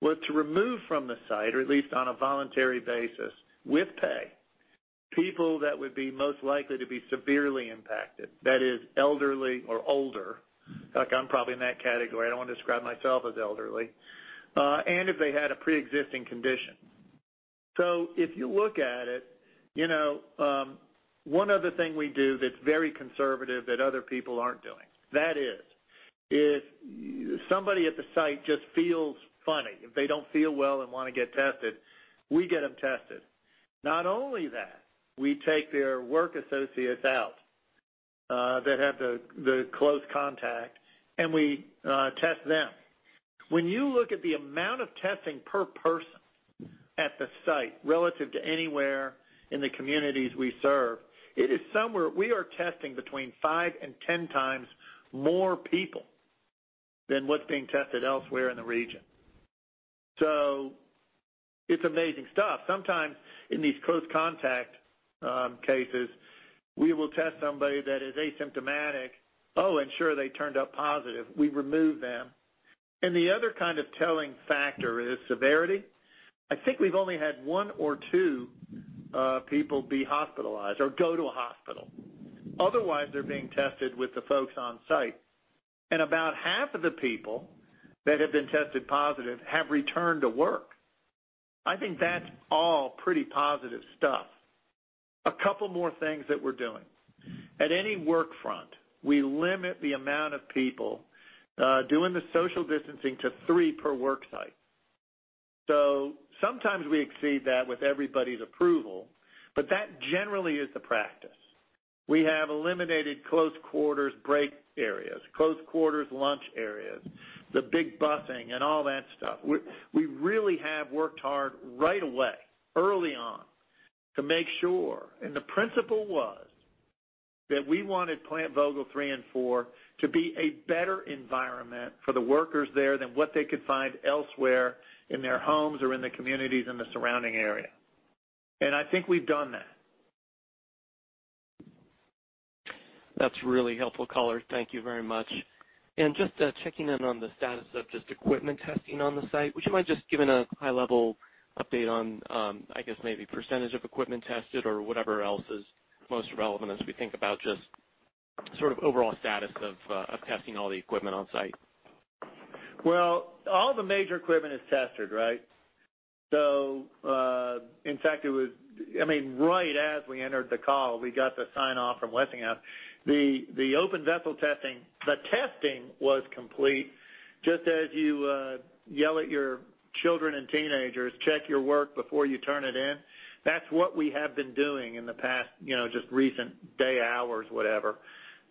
was to remove from the site, or at least on a voluntary basis with pay, people that would be most likely to be severely impacted. That is elderly or older. Like, I'm probably in that category. I don't want to describe myself as elderly. If they had a preexisting condition. If you look at it, one other thing we do that's very conservative that other people aren't doing, that is if somebody at the site just feels funny, if they don't feel well and want to get tested, we get them tested. Not only that, we take their work associates out that have the close contact, and we test them. When you look at the amount of testing per person at the site relative to anywhere in the communities we serve, we are testing between five and 10 times more people than what's being tested elsewhere in the region. It's amazing stuff. Sometimes in these close contact cases, we will test somebody that is asymptomatic. Sure, they turned up positive. We remove them. The other kind of telling factor is severity. I think we've only had one or two people be hospitalized or go to a hospital. Otherwise, they're being tested with the folks on site. About half of the people that have been tested positive have returned to work. I think that's all pretty positive stuff. A couple more things that we're doing. At any work front, we limit the amount of people doing the social distancing to three per work site. Sometimes we exceed that with everybody's approval, but that generally is the practice. We have eliminated close quarters break areas, close quarters lunch areas, the big busing, and all that stuff. We really have worked hard right away, early on, to make sure. The principle was that we wanted Plant Vogtle 3 and 4 to be a better environment for the workers there than what they could find elsewhere in their homes or in the communities in the surrounding area. I think we've done that. That's really helpful color. Thank you very much. Just checking in on the status of just equipment testing on the site. Would you mind just giving a high-level update on, I guess maybe percentage of equipment tested or whatever else is most relevant as we think about just sort of overall status of testing all the equipment on site? Well, all the major equipment is tested, right? I mean, right as we entered the call, we got the sign-off from Westinghouse. The open vessel testing, the testing was complete. Just as you yell at your children and teenagers, check your work before you turn it in. That's what we have been doing in the past just recent day, hours, whatever.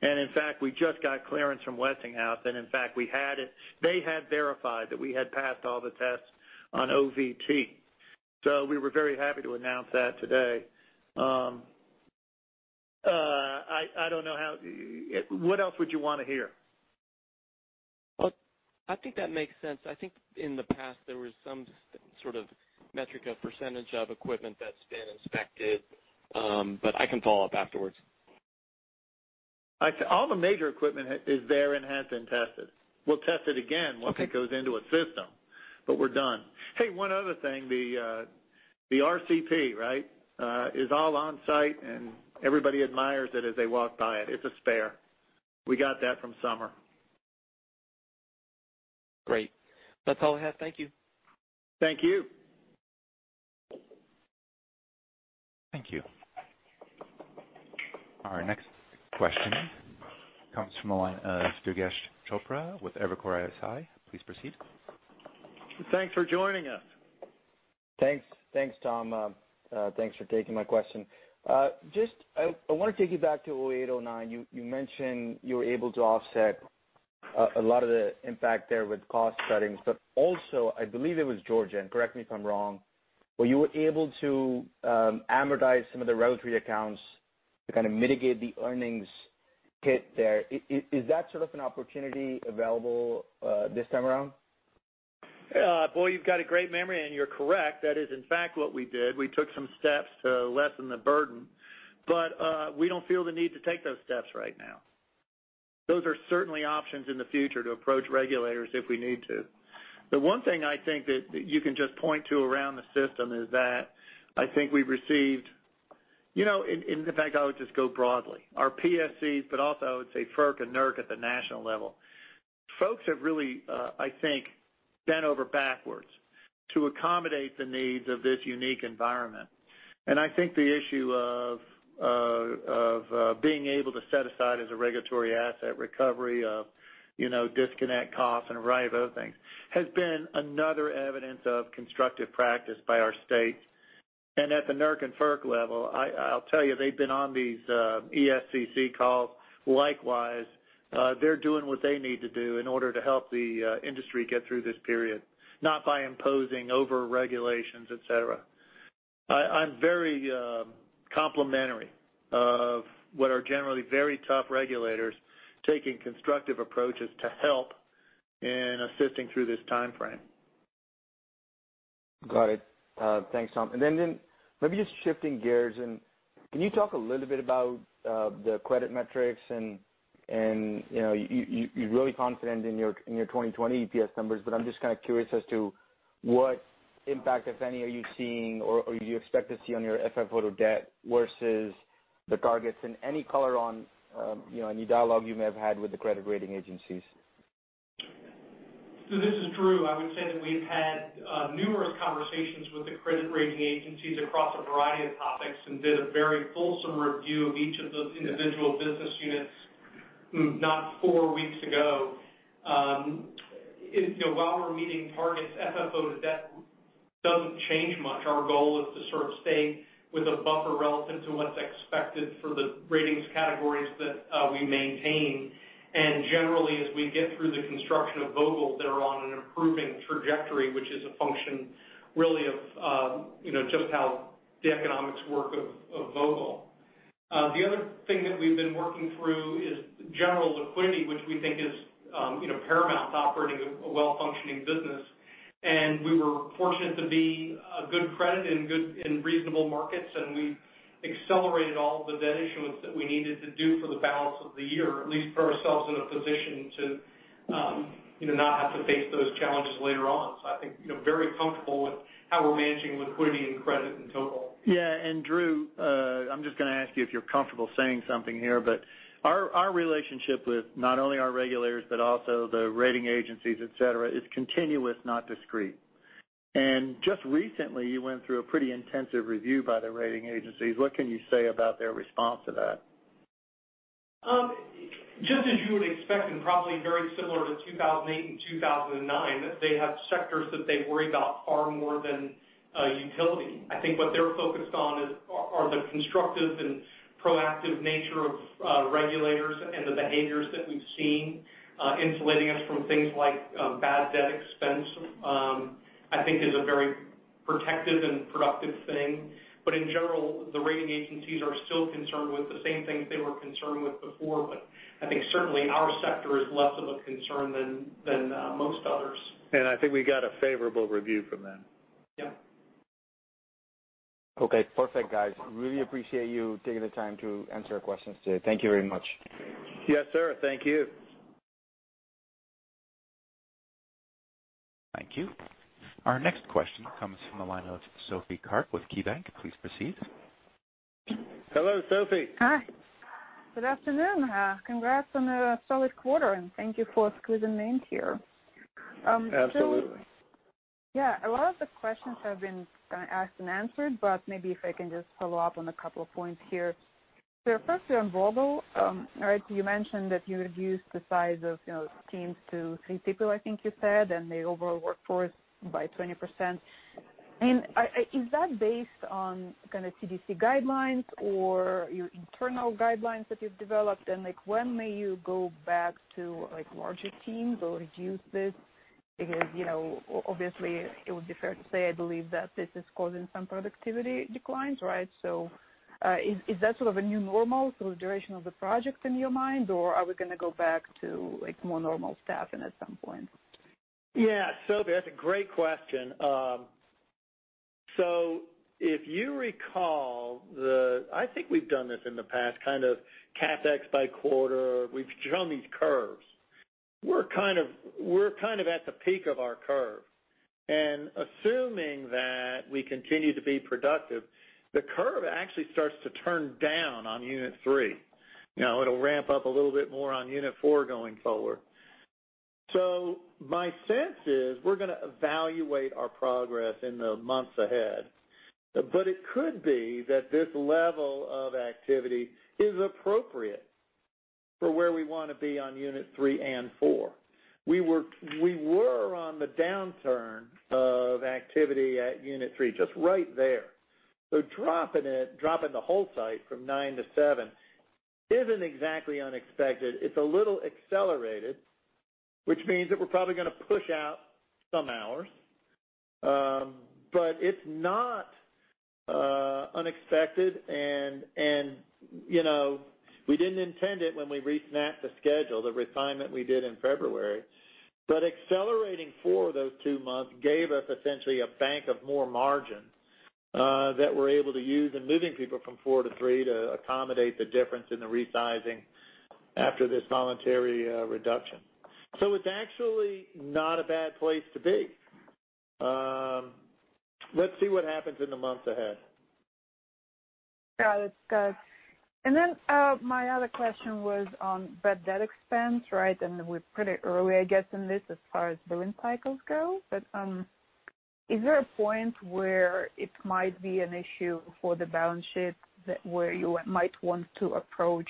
In fact, we just got clearance from Westinghouse. In fact, they had verified that we had passed all the tests on OVT. We were very happy to announce that today. What else would you want to hear? I think that makes sense. I think in the past, there was some sort of metric of percentage of equipment that's been inspected. I can follow up afterwards. All the major equipment is there and has been tested. We'll test it again. Okay. Once it goes into a system, but we're done. Hey, one other thing, the RCP, right, is all on site, and everybody admires it as they walk by it. It's a spare. We got that from Summer. Great. That's all I have. Thank you. Thank you. Thank you. Our next question comes from the line of Durgesh Chopra with Evercore ISI. Please proceed. Thanks for joining us. Thanks. Thanks, Tom. Thanks for taking my question. I want to take you back to 2008, 2009. You mentioned you were able to offset a lot of the impact there with cost cutting, but also, I believe it was George, and correct me if I'm wrong, but you were able to amortize some of the regulatory accounts to kind of mitigate the earnings hit there. Is that sort of an opportunity available this time around? Boy, you've got a great memory, and you're correct. That is, in fact, what we did. We took some steps to lessen the burden. We don't feel the need to take those steps right now. Those are certainly options in the future to approach regulators if we need to. The one thing I think that you can just point to around the system is that I think we've received, in fact, I would just go broadly, our PSCs, but also I would say FERC and NERC at the national level. Folks have really, I think, bent over backwards to accommodate the needs of this unique environment. I think the issue of being able to set aside as a regulatory asset recovery of disconnect costs and a variety of other things has been another evidence of constructive practice by our state. At the NERC and FERC level, I'll tell you, they've been on these ESCC calls. Likewise, they're doing what they need to do in order to help the industry get through this period, not by imposing over-regulations, et cetera. I'm very complimentary of what are generally very tough regulators taking constructive approaches to help in assisting through this timeframe. Got it. Thanks, Tom. Maybe just shifting gears. Can you talk a little bit about the credit metrics, and you're really confident in your 2020 EPS numbers, but I'm just kind of curious as to what impact, if any, are you seeing or you expect to see on your FFO to debt versus the targets and any color on any dialogue you may have had with the credit rating agencies? This is Drew. I would say that we've had numerous conversations with the credit rating agencies across a variety of topics and did a very fulsome review of each of those individual business units not four weeks ago. While we're meeting targets, FFO to debt doesn't change much. Our goal is to sort of stay with a buffer relevant to what's expected for the ratings categories that we maintain. Generally, as we get through the construction of Vogtle, they're on an improving trajectory, which is a function really of just how the economics work of Vogtle. The other thing that we've been working through is general liquidity, which we think is paramount to operating a well-functioning business. We were fortunate to be a good credit in reasonable markets, and we accelerated all of the debt issuance that we needed to do for the balance of the year, at least put ourselves in a position to not have to face those challenges later on. I think, very comfortable with how we're managing liquidity and credit in total. Yeah. Drew, I'm just going to ask you if you're comfortable saying something here, but our relationship with not only our regulators, but also the rating agencies, et cetera, is continuous, not discrete. Just recently, you went through a pretty intensive review by the rating agencies. What can you say about their response to that? Just as you would expect, probably very similar to 2008 and 2009, they have sectors that they worry about far more than a utility. I think what they're focused on are the constructive and proactive nature of regulators and the behaviors that we've seen insulating us from things like bad debt expense, I think is a very protective and productive thing. In general, the rating agencies are still concerned with the same things they were concerned with before, but I think certainly our sector is less of a concern than most others. I think we got a favorable review from them. Yeah. Okay, perfect guys. Really appreciate you taking the time to answer our questions today. Thank you very much. Yes, sir. Thank you. Thank you. Our next question comes from the line of Sophie Karp with KeyBank. Please proceed. Hello, Sophie. Hi. Good afternoon. Congrats on a solid quarter, and thank you for squeezing me in here. Absolutely. Yeah. A lot of the questions have been kind of asked and answered, but maybe if I can just follow up on a couple of points here. Firstly on Vogtle, all right, you mentioned that you reduced the size of teams to three people, I think you said, and the overall workforce by 20%. Is that based on kind of CDC guidelines or your internal guidelines that you've developed? When may you go back to larger teams or reduce this? Obviously it would be fair to say, I believe that this is causing some productivity declines, right? Is that sort of a new normal through the duration of the project in your mind, or are we going to go back to more normal staffing at some point? Yeah. Sophie, that's a great question. If you recall, I think we've done this in the past, kind of CapEx by quarter. We've shown these curves. We're kind of at the peak of our curve. Assuming that we continue to be productive, the curve actually starts to turn down on unit three. It'll ramp up a little bit more on unit four going forward. My sense is we're going to evaluate our progress in the months ahead. It could be that this level of activity is appropriate for where we want to be on unit three and four. We were on the downturn of activity at unit three, just right there. Dropping the whole site from nine to seven isn't exactly unexpected. It's a little accelerated, which means that we're probably going to push out some hours. It's not unexpected and we didn't intend it when we re-snapped the schedule, the refinement we did in February. Accelerating for those two months gave us essentially a bank of more margin, that we're able to use in moving people from four to three to accommodate the difference in the resizing after this voluntary reduction. It's actually not a bad place to be. Let's see what happens in the months ahead. Got it. My other question was on bad debt expense, right? We're pretty early, I guess, in this as far as billing cycles go. Is there a point where it might be an issue for the balance sheet where you might want to approach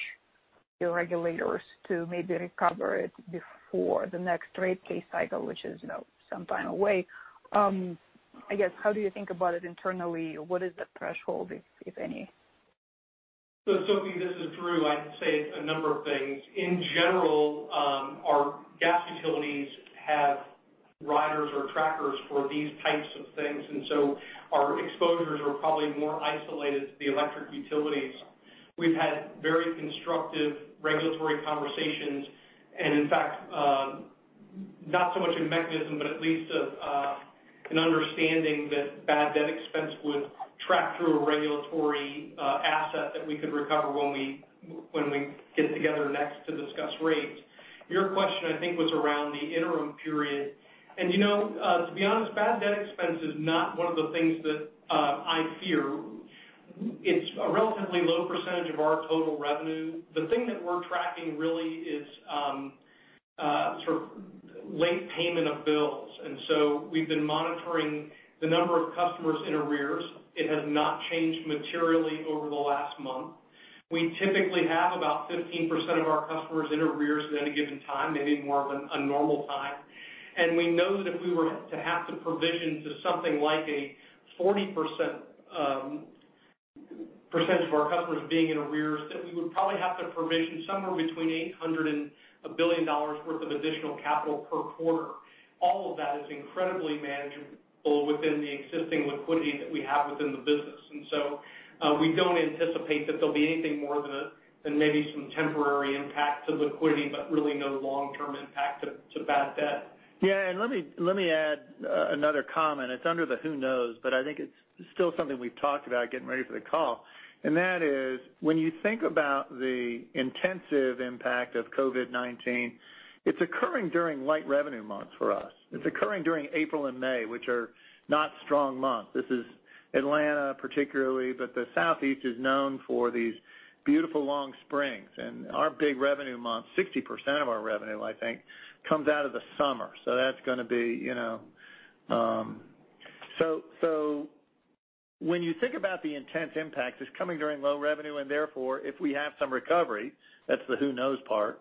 your regulators to maybe recover it before the next rate case cycle, which is some time away. I guess, how do you think about it internally? What is the threshold, if any? Sophie, this is Drew. I'd say a number of things. In general, our gas utilities have riders or trackers for these types of things, and so our exposures were probably more isolated to the electric utilities. We've had very constructive regulatory conversations and in fact, not so much a mechanism, but at least an understanding that bad debt expense would track through a regulatory asset that we could recover when we get together next to discuss rates. Your question, I think, was around the interim period. To be honest, bad debt expense is not one of the things that I fear. It's a relatively low percentage of our total revenue. The thing that we're tracking really is sort of late payment of bills, and so we've been monitoring the number of customers in arrears. It has not changed materially over the last month. We typically have about 15% of our customers in arrears at any given time, maybe more of a normal time. We know that if we were to have to provision to something like a 40% of our customers being in arrears, that we would probably have to provision somewhere between $800 and $1 billion worth of additional capital per quarter. All of that is incredibly manageable within the existing liquidity that we have within the business. We don't anticipate that there'll be anything more than maybe some temporary impact to liquidity, but really no long-term impact to bad debt. Let me add another comment. It's under the who knows, I think it's still something we've talked about getting ready for the call. That is, when you think about the intensive impact of COVID-19, it's occurring during light revenue months for us. It's occurring during April and May, which are not strong months. This is Atlanta particularly, but the Southeast is known for these beautiful long springs. Our big revenue months, 60% of our revenue, I think, comes out of the summer. When you think about the intense impact, it's coming during low revenue, and therefore, if we have some recovery, that's the who knows part,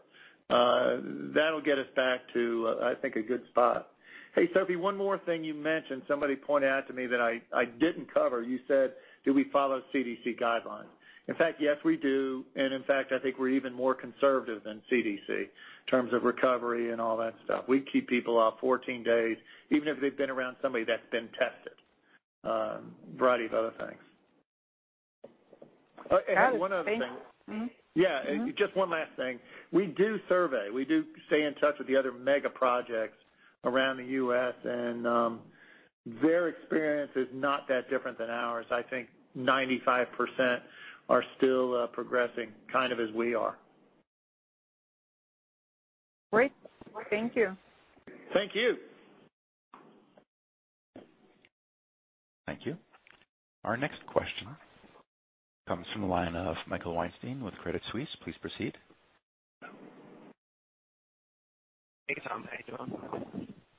that'll get us back to, I think, a good spot. Hey, Sophie, one more thing you mentioned, somebody pointed out to me that I didn't cover. You said, do we follow CDC guidelines? In fact, yes, we do. In fact, I think we're even more conservative than CDC in terms of recovery and all that stuff. We keep people out 14 days, even if they've been around somebody that's been tested. A variety of other things. Got it. Thank you. Yeah, just one last thing. We do survey. We do stay in touch with the other mega projects around the U.S., and their experience is not that different than ours. I think 95% are still progressing kind of as we are. Great. Thank you. Thank you. Thank you. Our next question comes from the line of Michael Weinstein with Credit Suisse. Please proceed. Hey, Tom. How you doing?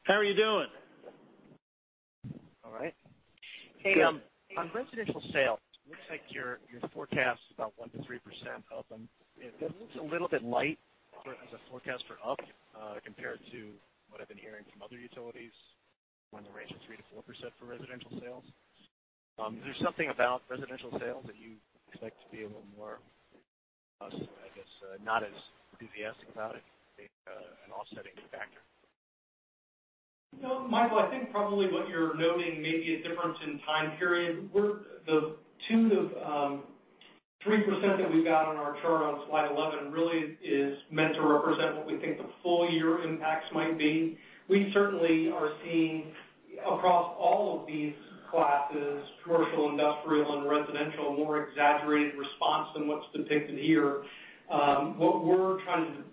How are you doing? All right. Good. Hey, on residential sales, looks like your forecast is about 1%-3% up, and it looks a little bit light as a forecast for up compared to what I've been hearing from other utilities on the range of 3%-4% for residential sales. Is there something about residential sales that you expect to be a little more, I guess, not as enthusiastic about it being an offsetting factor? No, Michael, I think probably what you're noting may be a difference in time period, where the 2%-3% that we've got on our chart on slide 11 really is meant to represent what we think the full-year impacts might be. We certainly are seeing across all of these classes, commercial, industrial, and residential, a more exaggerated response than what's depicted here. What we're trying to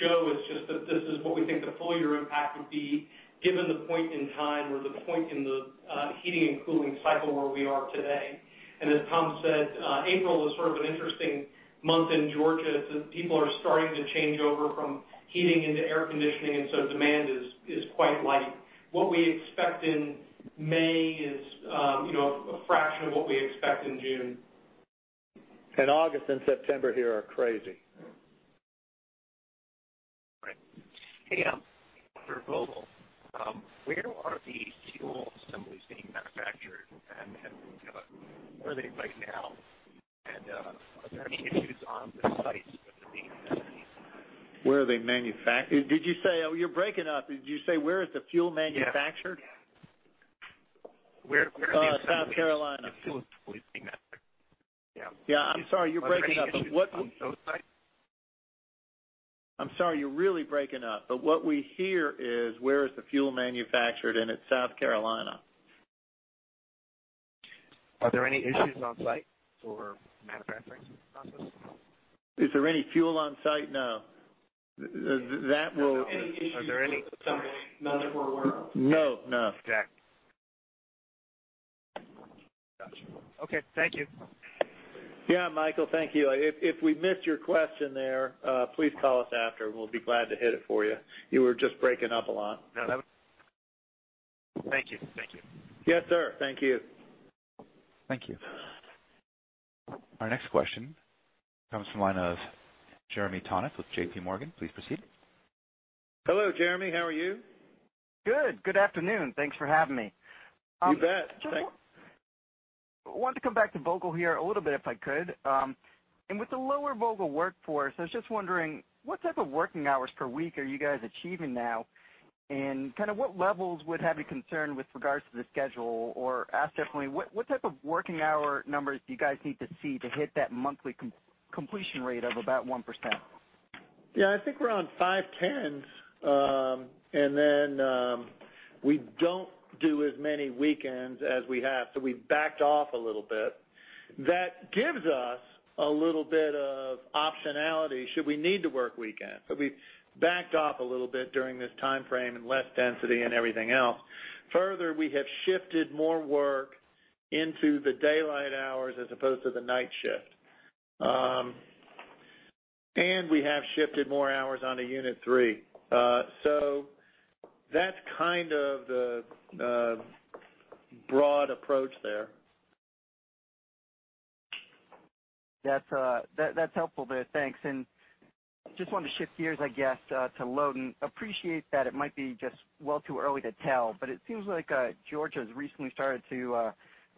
show is just that this is what we think the full-year impact would be given the point in time or the point in the heating and cooling cycle where we are today. As Tom said, April is sort of an interesting month in Georgia as people are starting to change over from heating into air conditioning, demand is quite light. What we expect in May is a fraction of what we expect in June. August and September here are crazy. Right. Hey, on Vogtle, where are the fuel assemblies being manufactured, and where are they right now? Are there any issues on the sites with the manufacturing? Where are they manufactured? You're breaking up. Did you say, where is the fuel manufactured? Yeah. South Carolina. Where are the assemblies being manufactured? Yeah. Yeah, I'm sorry, you're breaking up. Are there any issues on those sites? I'm sorry, you're really breaking up. What we hear is where is the fuel manufactured, and it's South Carolina. Are there any issues on site for the manufacturing process? Is there any fuel on site? No. There's not any issues with assembly. None that we're aware of. No. Got you. Okay. Thank you. Yeah, Michael, thank you. If we missed your question there, please call us after, and we'll be glad to hit it for you. You were just breaking up a lot. No. Thank you. Yes, sir. Thank you. Thank you. Our next question comes from the line of Jeremy Tonet with JPMorgan. Please proceed. Hello, Jeremy. How are you? Good afternoon. Thanks for having me. You bet. I wanted to come back to Vogtle here a little bit, if I could. With the lower Vogtle workforce, I was just wondering what type of working hours per week are you guys achieving now? What levels would have a concern with regards to the schedule? Ask differently, what type of working hour numbers do you guys need to see to hit that monthly completion rate of about 1%? Yeah, I think we're around five tens. We don't do as many weekends as we have, so we've backed off a little bit. That gives us a little bit of optionality should we need to work weekends. We've backed off a little bit during this timeframe and less density and everything else. Further, we have shifted more work into the daylight hours as opposed to the night shift. Okay. We have shifted more hours onto unit 3. That's kind of the broad approach there. That's helpful there. Thanks. Just wanted to shift gears, I guess, to load and appreciate that it might be just well too early to tell, but it seems like Georgia's recently started to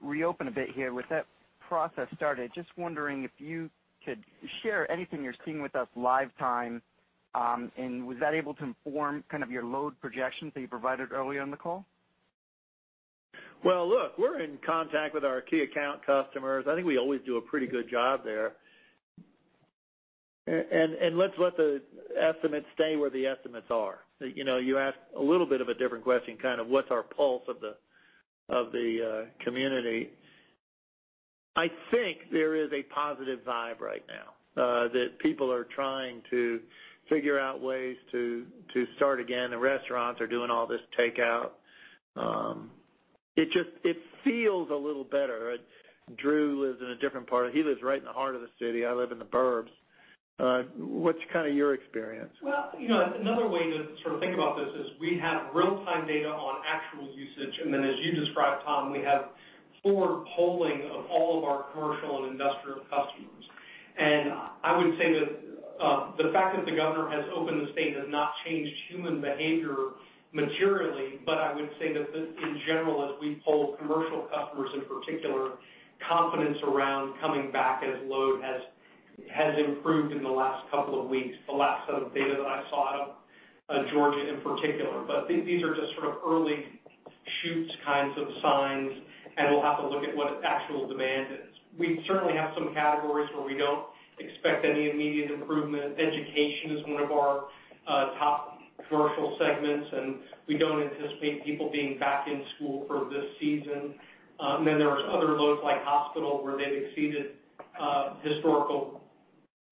reopen a bit here. With that process started, just wondering if you could share anything you're seeing with us live-time, and was that able to inform your load projections that you provided early on the call? Well, look, we're in contact with our key account customers. I think we always do a pretty good job there. Let's let the estimates stay where the estimates are. You asked a little bit of a different question, kind of what's our pulse of the community. I think there is a positive vibe right now, that people are trying to figure out ways to start again. The restaurants are doing all this takeout. It feels a little better. Drew lives in a different part. He lives right in the heart of the city. I live in the burbs. What's your experience? Well, another way to sort of think about this is we have real-time data on actual usage, and then as you described, Tom, we have forward polling of all of our commercial and industrial customers. I would say that the fact that the governor has opened the state has not changed human behavior materially, but I would say that in general, as we poll commercial customers in particular, confidence around coming back as load has improved in the last couple of weeks, the last set of data that I saw out of Georgia in particular. These are just sort of early shoots kinds of signs, and we'll have to look at what its actual demand is. We certainly have some categories where we don't expect any immediate improvement. Education is one of our top commercial segments, and we don't anticipate people being back in school for this season. There is other loads like hospital where they've exceeded historical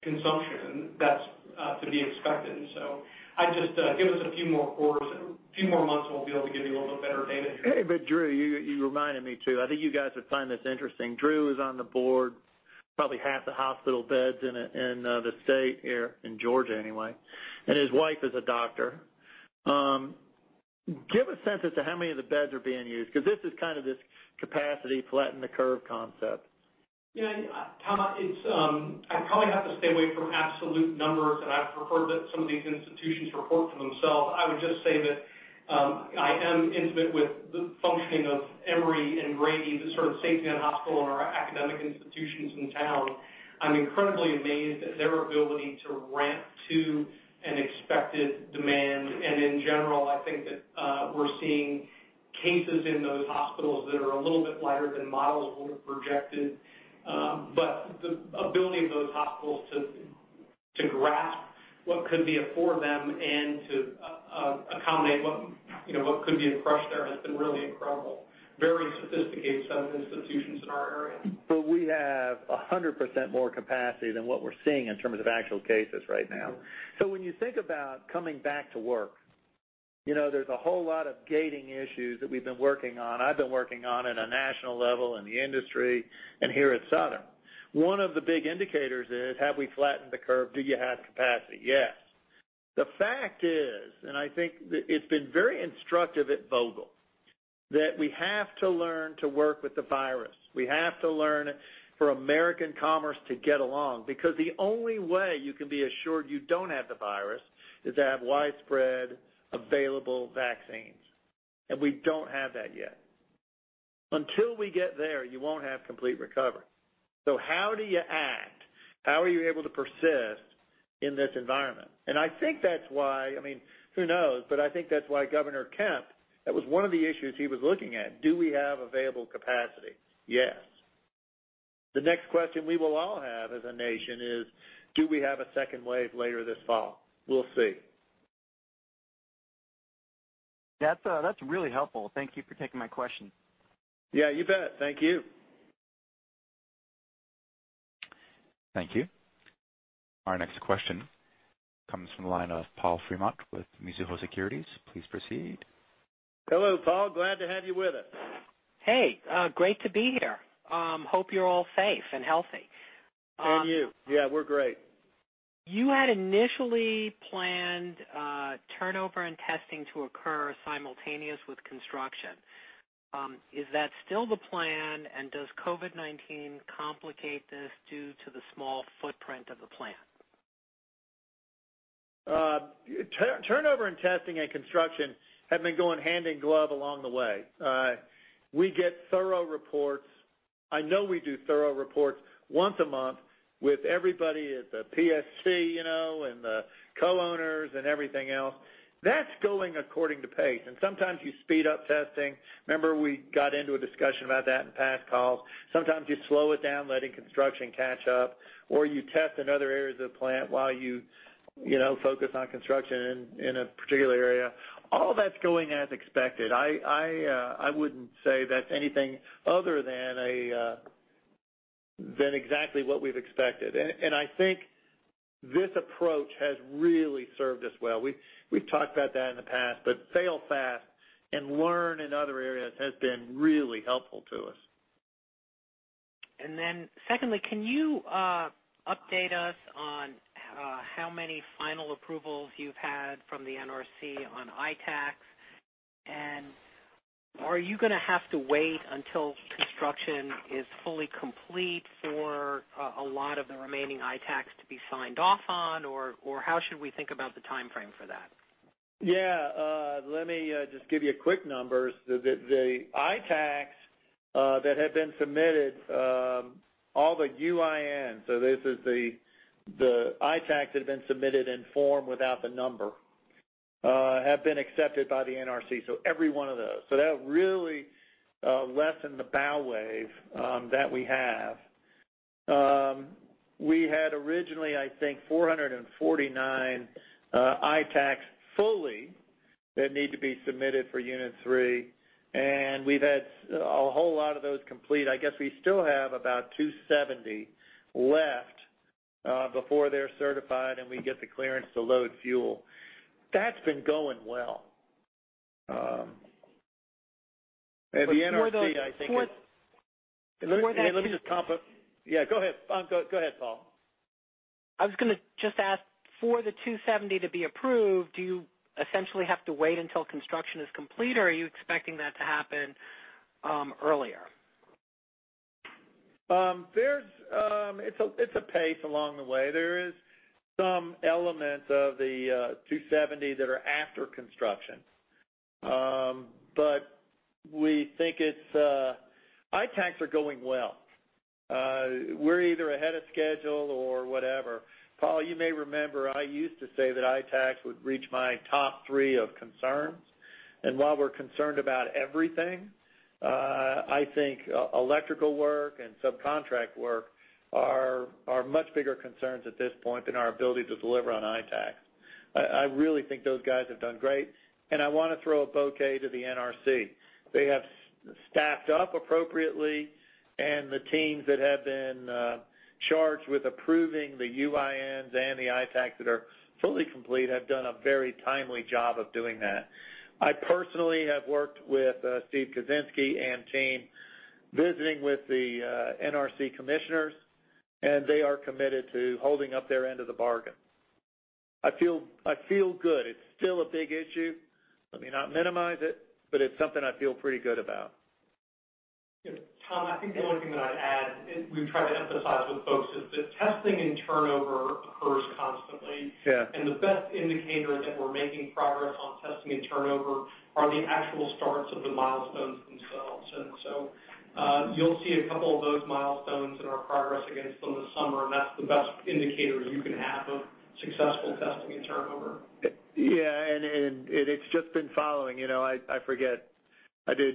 consumption. That's to be expected. I'd just give us a few more quarters and a few more months and we'll be able to give you a little bit better data. Drew, you reminded me, too. I think you guys would find this interesting. Drew is on the board, probably half the hospital beds in the state here, in Georgia anyway, and his wife is a doctor. Give a sense as to how many of the beds are being used because this is kind of this capacity flatten the curve concept. Yeah. Tom, I probably have to stay away from absolute numbers, and I prefer that some of these institutions report for themselves. I would just say that I am intimate with the functioning of Emory and Grady, the sort of safety net hospital and our academic institutions in town. I'm incredibly amazed at their ability to ramp to an expected demand. In general, I think that we're seeing cases in those hospitals that are a little bit lighter than models would have projected. The ability of those hospitals to grasp what could be before them and to accommodate what could be a crush there has been really incredible. Very sophisticated set of institutions in our area. We have 100% more capacity than what we're seeing in terms of actual cases right now. When you think about coming back to work, there's a whole lot of gating issues that we've been working on, I've been working on at a national level in the industry and here at Southern. One of the big indicators is have we flattened the curve? Do you have capacity? Yes. The fact is, and I think it's been very instructive at Vogtle, that we have to learn to work with the virus. We have to learn for American commerce to get along because the only way you can be assured you don't have the virus is to have widespread available vaccines, and we don't have that yet. Until we get there, you won't have complete recovery. How do you act? How are you able to persist in this environment? I think that's why, who knows, but I think that's why Governor Kemp, that was one of the issues he was looking at. Do we have available capacity? Yes. The next question we will all have as a nation is do we have a second wave later this fall? We'll see. That's really helpful. Thank you for taking my question. Yeah, you bet. Thank you. Thank you. Our next question comes from the line of Paul Fremont with Mizuho Securities. Please proceed. Hello, Paul. Glad to have you with us. Hey. Great to be here. Hope you're all safe and healthy. You. Yeah, we're great. You had initially planned turnover and testing to occur simultaneous with construction. Is that still the plan, and does COVID-19 complicate this due to the small footprint of the plant? Turnover and testing and construction have been going hand in glove along the way. We get thorough reports. I know we do thorough reports once a month with everybody at the PSC, and the co-owners and everything else. That's going according to pace, sometimes you speed up testing. Remember we got into a discussion about that in past calls. Sometimes you slow it down, letting construction catch up, or you test in other areas of the plant while you focus on construction in a particular area. All that's going as expected. I wouldn't say that's anything other than exactly what we've expected. I think this approach has really served us well. We've talked about that in the past, fail fast and learn in other areas has been really helpful to us. Secondly, can you update us on how many final approvals you've had from the NRC on ITAACs? Are you going to have to wait until construction is fully complete for a lot of the remaining ITAACs to be signed off on, or how should we think about the timeframe for that? Yeah. Let me just give you quick numbers. The ITAACs that have been submitted, all the UINs, this is the ITAACs that have been submitted in form without the number, have been accepted by the NRC. Every one of those. That really lessened the bow wave that we have. We had originally, I think, 449 ITAACs fully that need to be submitted for Unit 3. We've had a whole lot of those complete. I guess we still have about 270 left before they're certified. We get the clearance to load fuel. That's been going well. The NRC, I think is- For the- Let me just top up. Yeah, go ahead, Paul. I was going to just ask, for the 270 to be approved, do you essentially have to wait until construction is complete, or are you expecting that to happen earlier? It's a pace along the way. There is some elements of the 270 that are after construction. We think ITACs are going well. We're either ahead of schedule or whatever. Paul, you may remember, I used to say that ITACs would reach my top three of concerns. While we're concerned about everything, I think electrical work and subcontract work are much bigger concerns at this point than our ability to deliver on ITACs. I really think those guys have done great, and I want to throw a bouquet to the NRC. They have staffed up appropriately, and the teams that have been charged with approving the UINs and the ITACs that are fully complete have done a very timely job of doing that. I personally have worked with Steve Kuczynski and team, visiting with the NRC commissioners, and they are committed to holding up their end of the bargain. I feel good. It's still a big issue. Let me not minimize it, but it's something I feel pretty good about. Tom, I think the only thing that I'd add is we've tried to emphasize with folks is that testing and turnover occurs constantly. Yeah. The best indicator that we're making progress on testing and turnover are the actual starts of the milestones themselves. You'll see a couple of those milestones and our progress against them this summer, and that's the best indicator you can have of successful testing and turnover. It's just been following. I forget.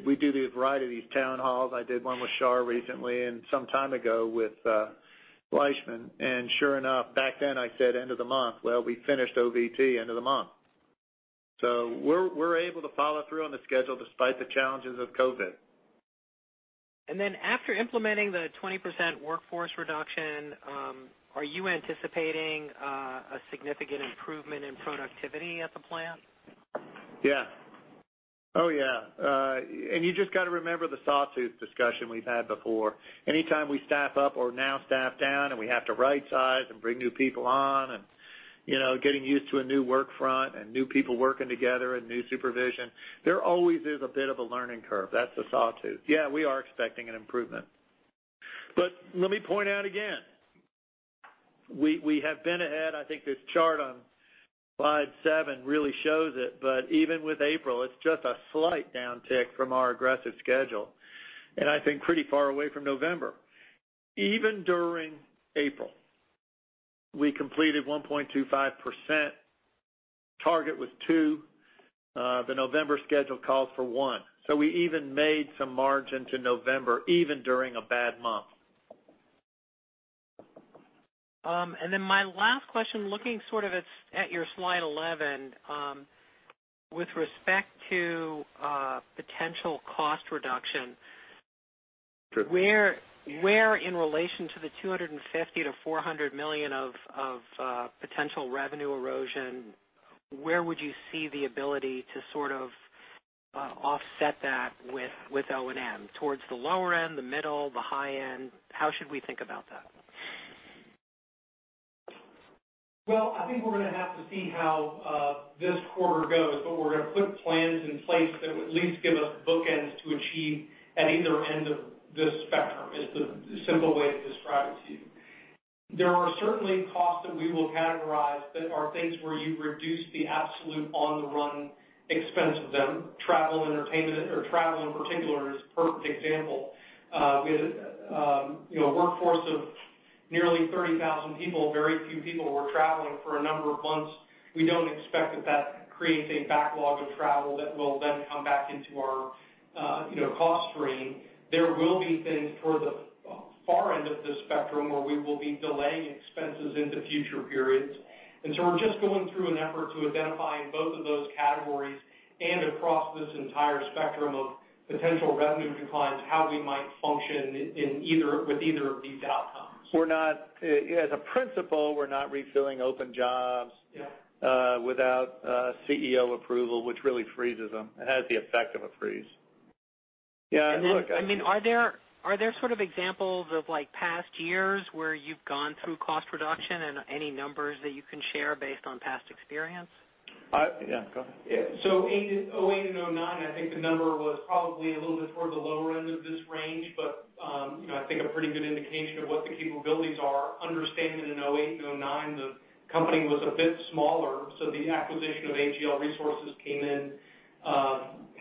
We do these variety of these town halls. I did one with Shar recently and some time ago with Fleishman. Sure enough, back then I said end of the month. Well, we finished OVT end of the month. We're able to follow through on the schedule despite the challenges of COVID. After implementing the 20% workforce reduction, are you anticipating a significant improvement in productivity at the plant? Yeah. Oh, yeah. You just got to remember the sawtooth discussion we've had before. Anytime we staff up or now staff down and we have to right size and bring new people on and getting used to a new work front and new people working together and new supervision, there always is a bit of a learning curve. That's a sawtooth. Yeah, we are expecting an improvement. Let me point out again, we have been ahead. I think this chart on slide seven really shows it. Even with April, it's just a slight downtick from our aggressive schedule, and I think pretty far away from November. Even during April, we completed 1.25%. Target was two. The November schedule calls for one. We even made some margin to November, even during a bad month. My last question, looking sort of at your slide 11, with respect to potential cost reduction. Sure Where in relation to the $250 million-$400 million of potential revenue erosion, where would you see the ability to sort of offset that with O&M? Towards the lower end, the middle, the high end? How should we think about that? Well, I think we're going to have to see how this quarter goes, but we're going to put plans in place that would at least give us bookends to achieve at either end of the spectrum, is the simple way to describe it to you. There are certainly costs that we will categorize that are things where you reduce the absolute on-the-run expense of them. Travel in particular is a perfect example. With a workforce of nearly 30,000 people, very few people were traveling for a number of months. We don't expect that that creates a backlog of travel that will then come back into our cost stream. There will be things toward the far end of the spectrum where we will be delaying expenses into future periods. We're just going through an effort to identify in both of those categories and across this entire spectrum of potential revenue declines, how we might function with either of these outcomes. As a principle, we're not refilling open jobs. Yeah Without CEO approval, which really freezes them. It has the effect of a freeze. Yeah. Are there examples of past years where you've gone through cost reduction and any numbers that you can share based on past experience? Yeah. Go ahead. In 2008 and 2009, I think the number was probably a little bit toward the lower end of this range. I think a pretty good indication of what the capabilities are. Understanding in 2008 and 2009, the company was a bit smaller, so the acquisition of AGL Resources came in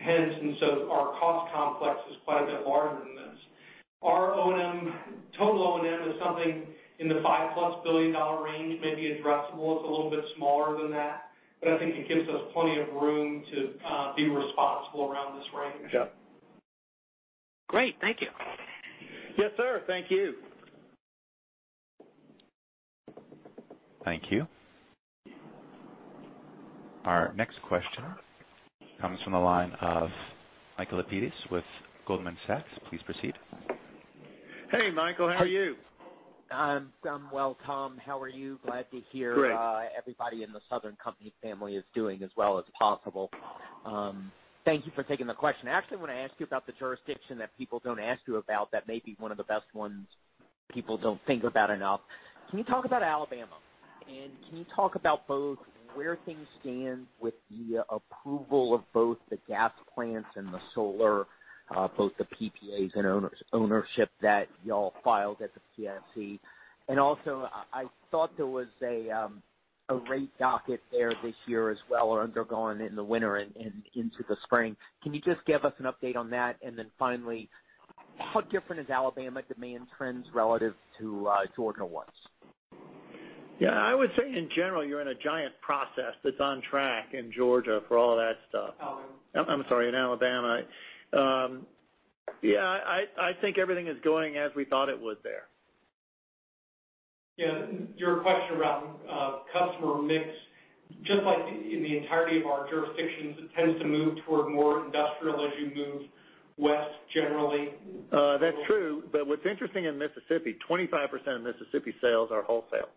hence, and so our cost complex is quite a bit larger than this. Our total O&M is something in the $5+ billion range, maybe addressable is a little bit smaller than that. I think it gives us plenty of room to be responsible around this range. Yeah. Great. Thank you. Yes, sir. Thank you. Thank you. Our next question comes from the line of Michael Lapides with Goldman Sachs. Please proceed. Hey, Michael, how are you? I'm well, Tom. How are you? Glad to hear. Great Everybody in the Southern Company family is doing as well as possible. Thank you for taking the question. I actually want to ask you about the jurisdiction that people don't ask you about that may be one of the best ones people don't think about enough. Can you talk about Alabama? Can you talk about both where things stand with the approval of both the gas plants and the solar, both the PPAs and ownership that you all filed at the PSC? Also, I thought there was a rate docket there this year as well, undergoing in the winter and into the spring. Can you just give us an update on that? Then finally, how different is Alabama demand trends relative to Georgia ones? Yeah, I would say in general, you're in a giant process that's on track in Georgia for all that stuff. Alabama. I'm sorry, in Alabama. Yeah, I think everything is going as we thought it would there. Yeah. Your question around customer mix, just like in the entirety of our jurisdictions, it tends to move toward more industrial as you move west, generally. What's interesting in Mississippi, 25% of Mississippi sales are wholesale,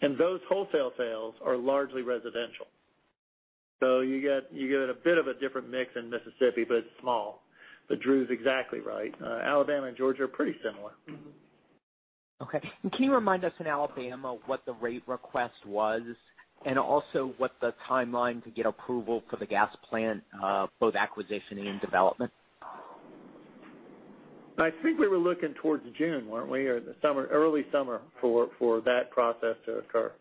and those wholesale sales are largely residential. You get a bit of a different mix in Mississippi, but it's small. Drew's exactly right. Alabama and Georgia are pretty similar. Okay. Can you remind us in Alabama what the rate request was and also what the timeline to get approval for the gas plant, both acquisition and development? I think we were looking towards June, weren't we? Or early summer for that process to occur. Got it. Okay.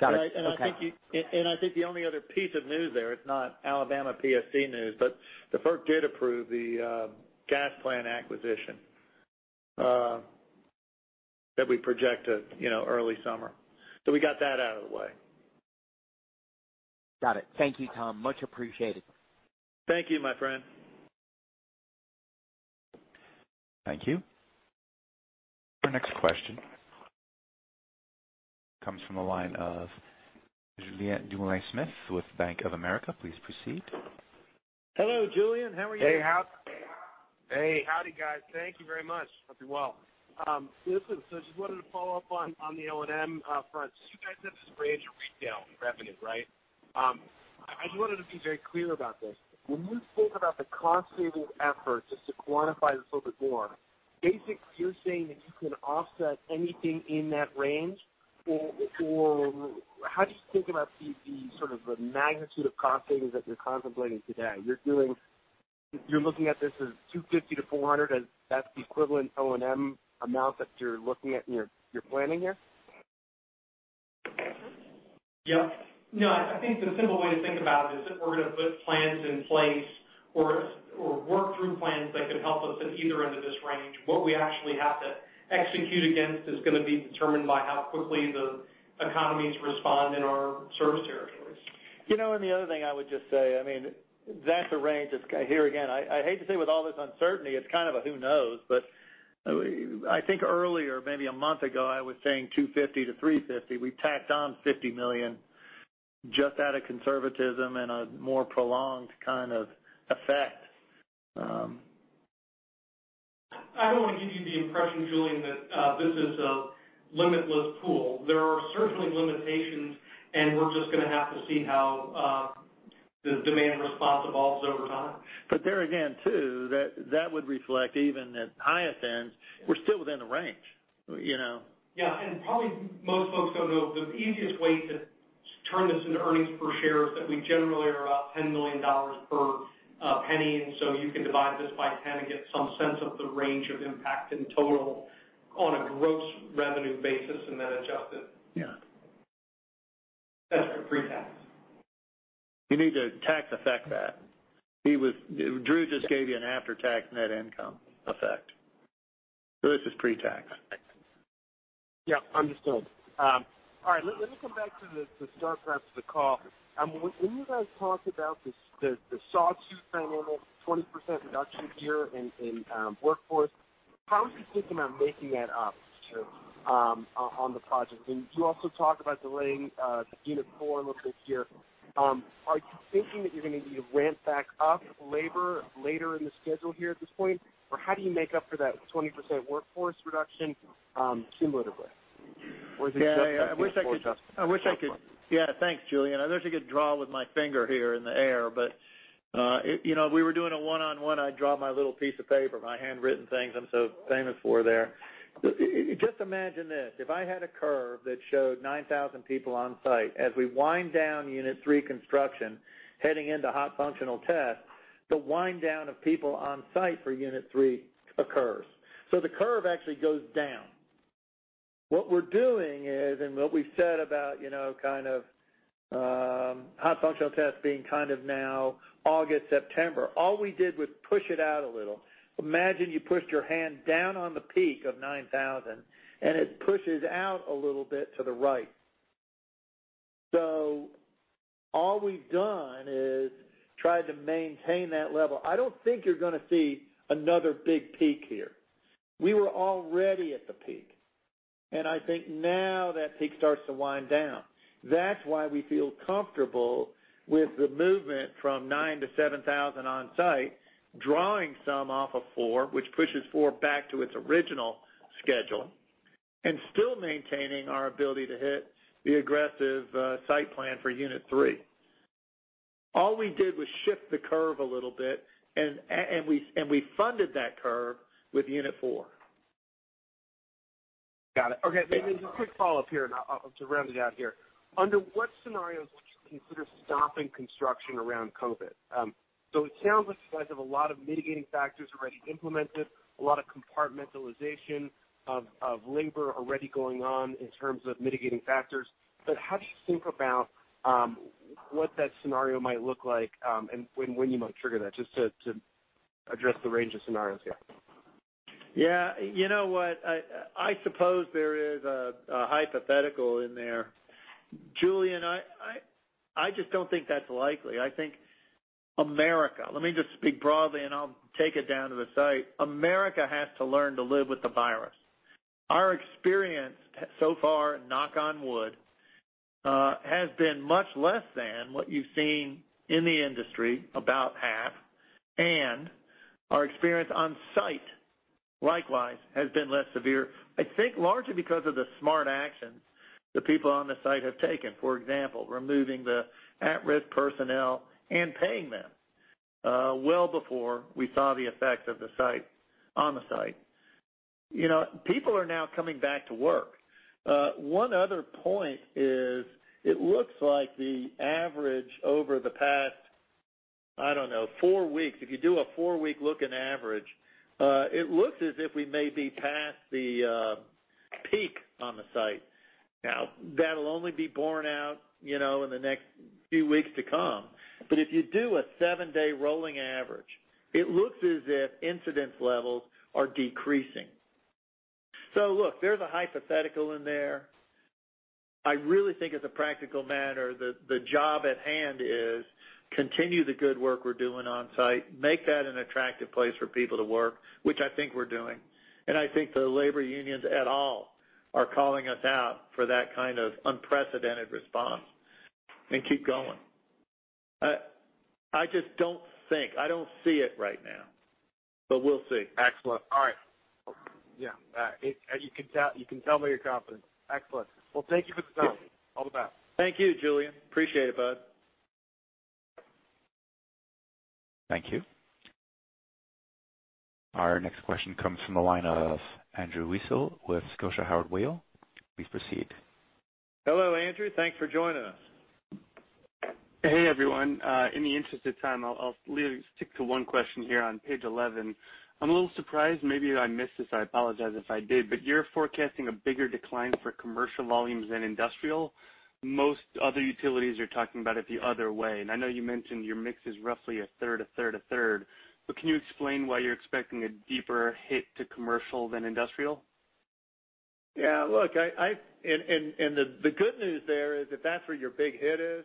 I think the only other piece of news there, it's not Alabama PSC news, but the FERC did approve the gas plant acquisition that we projected early summer. We got that out of the way. Got it. Thank you, Tom. Much appreciated. Thank you, my friend. Thank you. Our next question comes from the line of Julien Dumoulin-Smith with Bank of America. Please proceed. Hello, Julien. How are you? Hey. Hey. Howdy, guys. Thank you very much. Hope you're well. Listen, just wanted to follow up on the O&M front. You guys have this range of retail revenue, right? I just wanted to be very clear about this. When you think about the cost-saving effort, just to quantify this a little bit more, basically, you're saying that you can offset anything in that range, or how do you think about the magnitude of cost savings that you're contemplating today? You're looking at this as $250-$400 as that's the equivalent O&M amount that you're looking at in your planning here? Yeah. No, I think the simple way to think about it is that we're going to put plans in place or work through plans that can help us at either end of this range. What we actually have to execute against is going to be determined by how quickly the economies respond in our service territories. The other thing I would just say, that's a range that's here again. I hate to say with all this uncertainty, it's kind of a who knows, but I think earlier, maybe a month ago, I was saying $250-$350. We tacked on $50 million just out of conservatism and a more prolonged kind of effect. I don't want to give you the impression, Julien, that this is a limitless pool. There are certainly limitations, we're just going to have to see how the demand response evolves over time. There again, too, that would reflect even at the highest ends, we're still within the range. Yeah. Probably most folks don't know the easiest way to turn this into earnings per share is that we generally are about $10 million per $0.01. You can divide this by 10 and get some sense of the range of impact in total on a gross revenue basis and then adjust it. Yeah. That's for pre-tax. You need to tax affect that. Drew just gave you an after-tax net income effect. This is pre-tax. Yeah. Understood. All right. Let me come back to the start, perhaps, of the call. When you guys talked about the sawtooth dynamic, 20% reduction here in workforce, how are you thinking about making that up, Drew, on the project? You also talked about delaying the unit 4 a little bit here. Are you thinking that you're going to need to ramp back up labor later in the schedule here at this point? How do you make up for that 20% workforce reduction cumulatively? Yeah. Thanks, Julien. I wish I could draw with my finger here in the air, but if we were doing a one-on-one, I'd draw my little piece of paper, my handwritten things I'm so famous for there. Just imagine this, if I had a curve that showed 9,000 people on site, as we wind down Unit 3 construction heading into hot functional testing, the wind down of people on site for Unit 3 occurs. The curve actually goes down. What we're doing is, and what we've said about kind of hot functional testing being kind of now August, September, all we did was push it out a little. Imagine you pushed your hand down on the peak of 9,000, and it pushes out a little bit to the right. All we've done is tried to maintain that level. I don't think you're going to see another big peak here. We were already at the peak, and I think now that peak starts to wind down. That's why we feel comfortable with the movement from nine to 7,000 on site, drawing some off of unit 4, which pushes unit 4 back to its original schedule, and still maintaining our ability to hit the aggressive site plan for unit 3. All we did was shift the curve a little bit, and we funded that curve with unit 4. Got it. Okay. Maybe just a quick follow-up here to round it out here. Under what scenarios would you consider stopping construction around COVID? It sounds like you guys have a lot of mitigating factors already implemented, a lot of compartmentalization of labor already going on in terms of mitigating factors. How do you think about what that scenario might look like, and when you might trigger that, just to address the range of scenarios here? Yeah. You know what? I suppose there is a hypothetical in there. Julien, I just don't think that's likely. I think America, let me just speak broadly and I'll take it down to the site. America has to learn to live with the virus. Our experience so far, knock on wood, has been much less than what you've seen in the industry, about half, and our experience on site, likewise, has been less severe. I think largely because of the smart actions the people on the site have taken. For example, removing the at-risk personnel and paying them well before we saw the effects on the site. People are now coming back to work. One other point is it looks like the average over the past, I don't know, four weeks, if you do a four-week look and average, it looks as if we may be past the peak on the site. That'll only be borne out in the next few weeks to come. If you do a seven-day rolling average, it looks as if incidence levels are decreasing. There's a hypothetical in there. I really think as a practical matter that the job at hand is continue the good work we're doing on-site, make that an attractive place for people to work, which I think we're doing. I think the labor unions et al are calling us out for that kind of unprecedented response, and keep going. I just don't think, I don't see it right now, but we'll see. Excellent. All right. Yeah. You can tell by your confidence. Excellent. Well, thank you for the time. All the best. Thank you, Julien. Appreciate it, bud. Thank you. Our next question comes from the line of Andrew Weisel with Scotiabank Howard Weil. Please proceed. Hello, Andrew. Thanks for joining us. Hey, everyone. In the interest of time, I'll stick to one question here on page 11. I'm a little surprised, maybe I missed this, I apologize if I did, you're forecasting a bigger decline for commercial volumes than industrial. Most other utilities are talking about it the other way, I know you mentioned your mix is roughly a third, a third, a third. Can you explain why you're expecting a deeper hit to commercial than industrial? Yeah, look, the good news there is if that's where your big hit is,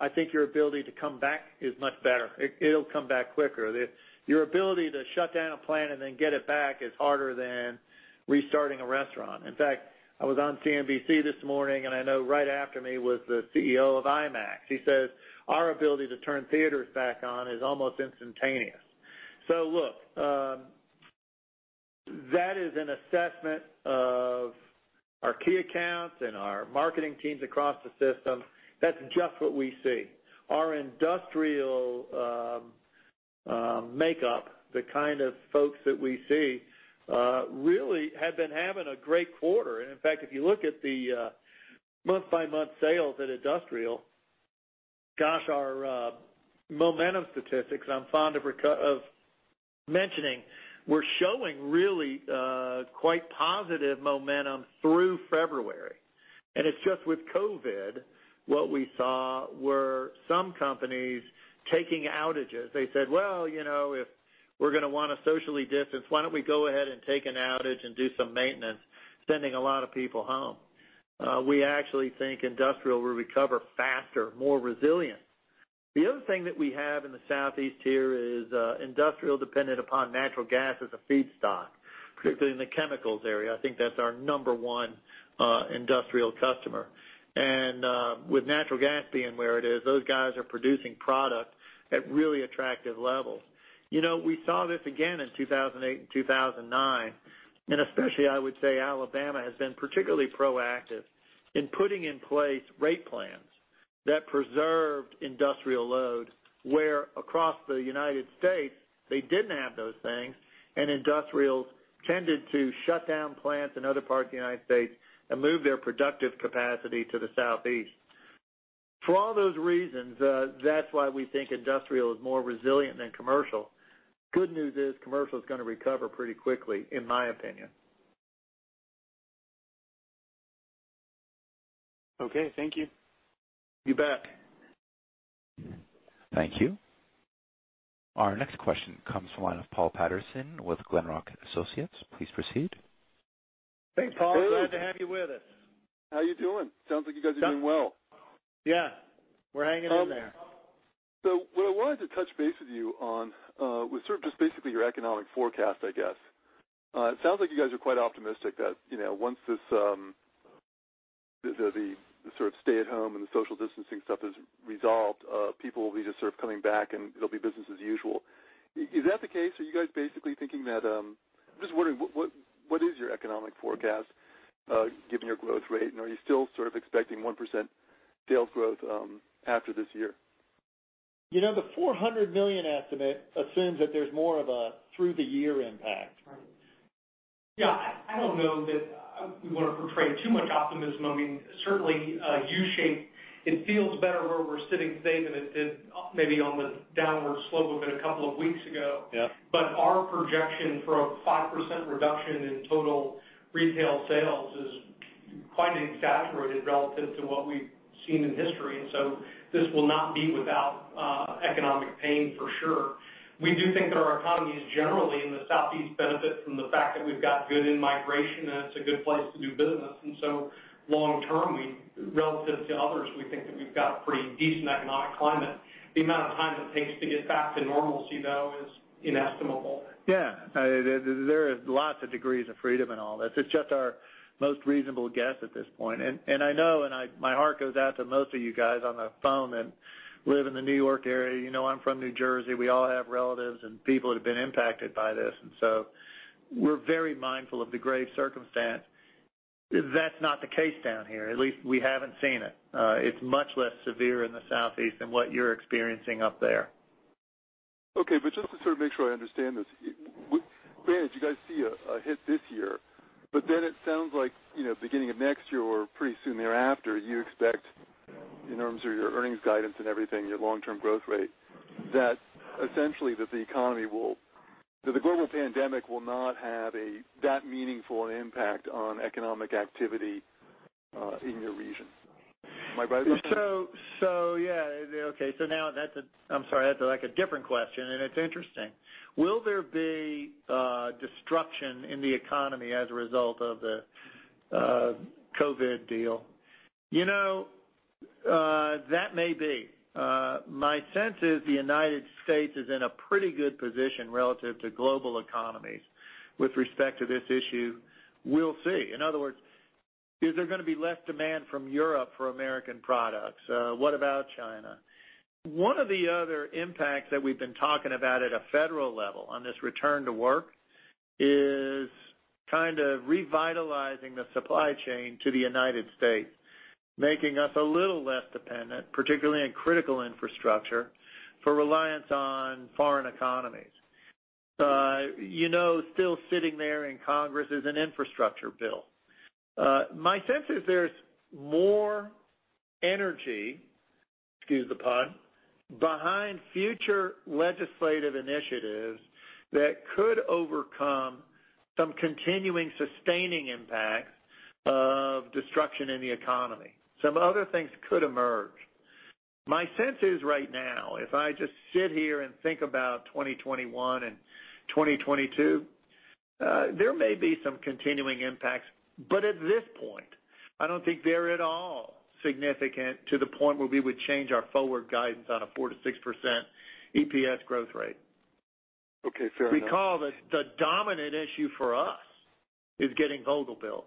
I think your ability to come back is much better. It'll come back quicker. Your ability to shut down a plant and then get it back is harder than restarting a restaurant. In fact, I was on CNBC this morning, and I know right after me was the CEO of IMAX. He says, "Our ability to turn theaters back on is almost instantaneous." Look, that is an assessment of our key accounts and our marketing teams across the system. That's just what we see. Our industrial makeup, the kind of folks that we see, really have been having a great quarter. In fact, if you look at the month-by-month sales at industrial, gosh, our momentum statistics I'm fond of mentioning, were showing really quite positive momentum through February. It's just with COVID-19, what we saw were some companies taking outages. They said, "Well, if we're going to want to socially distance, why don't we go ahead and take an outage and do some maintenance," sending a lot of people home. We actually think industrial will recover faster, more resilient. The other thing that we have in the Southeast here is industrial dependent upon natural gas as a feedstock, particularly in the chemicals area. I think that's our number one industrial customer. With natural gas being where it is, those guys are producing product at really attractive levels. We saw this again in 2008 and 2009, and especially, I would say Alabama has been particularly proactive in putting in place rate plans that preserved industrial load, where across the United States, they didn't have those things, and industrials tended to shut down plants in other parts of the United States and move their productive capacity to the Southeast. For all those reasons, that's why we think industrial is more resilient than commercial. Good news is commercial's going to recover pretty quickly, in my opinion. Okay, thank you. Be back. Thank you. Our next question comes from the line of Paul Patterson with Glenrock Associates. Please proceed. Hey, Paul. Glad to have you with us. How you doing? Sounds like you guys are doing well. Yeah. We're hanging in there. What I wanted to touch base with you on was your economic forecast. It sounds like you guys are quite optimistic that once the stay-at-home and the social distancing stuff is resolved, people will be coming back, and it'll be business as usual. Is that the case? What is your economic forecast, given your growth rate? Are you still expecting 1% sales growth after this year? The $400 million estimate assumes that there's more of a through-the-year impact. Yeah, I don't know that we want to portray too much optimism. Certainly, a U-shape, it feels better where we're sitting today than it did maybe on the downward slope of it a couple of weeks ago. Yeah. Our projection for a 5% reduction in total retail sales is quite exaggerated relative to what we've seen in history. This will not be without economic pain for sure. We do think that our economies generally in the Southeast benefit from the fact that we've got good in-migration, and it's a good place to do business. Long term, relative to others, we think that we've got a pretty decent economic climate. The amount of time it takes to get back to normal, though, is inestimable. Yeah. There is lots of degrees of freedom in all this. It's just our most reasonable guess at this point. I know, and my heart goes out to most of you guys on the phone that live in the New York area. You know I'm from New Jersey. We all have relatives and people that have been impacted by this, so we're very mindful of the grave circumstance. That's not the case down here. At least we haven't seen it. It's much less severe in the Southeast than what you're experiencing up there. Okay. Just to sort of make sure I understand this, granted you guys see a hit this year, it sounds like, beginning of next year or pretty soon thereafter, you expect in terms of your earnings guidance and everything, your long-term growth rate, that essentially that the global pandemic will not have that meaningful an impact on economic activity in your region. Am I right about that? Yeah. Okay. Now I'm sorry, that's a different question, and it's interesting. Will there be destruction in the economy as a result of the COVID-19 deal? That may be. My sense is the U.S. is in a pretty good position relative to global economies with respect to this issue. We'll see. In other words, is there going to be less demand from Europe for American products? What about China? One of the other impacts that we've been talking about at a federal level on this return to work is revitalizing the supply chain to the U.S., making us a little less dependent, particularly on critical infrastructure, for reliance on foreign economies. Still sitting there in Congress is an infrastructure bill. My sense is there's more energy, excuse the pun, behind future legislative initiatives that could overcome some continuing sustaining impacts of destruction in the economy. Some other things could emerge. My sense is right now, if I just sit here and think about 2021 and 2022, there may be some continuing impacts. At this point, I don't think they're at all significant to the point where we would change our forward guidance on a 4%-6% EPS growth rate. Okay. Fair enough. Recall that the dominant issue for us is getting Vogtle built. Yep.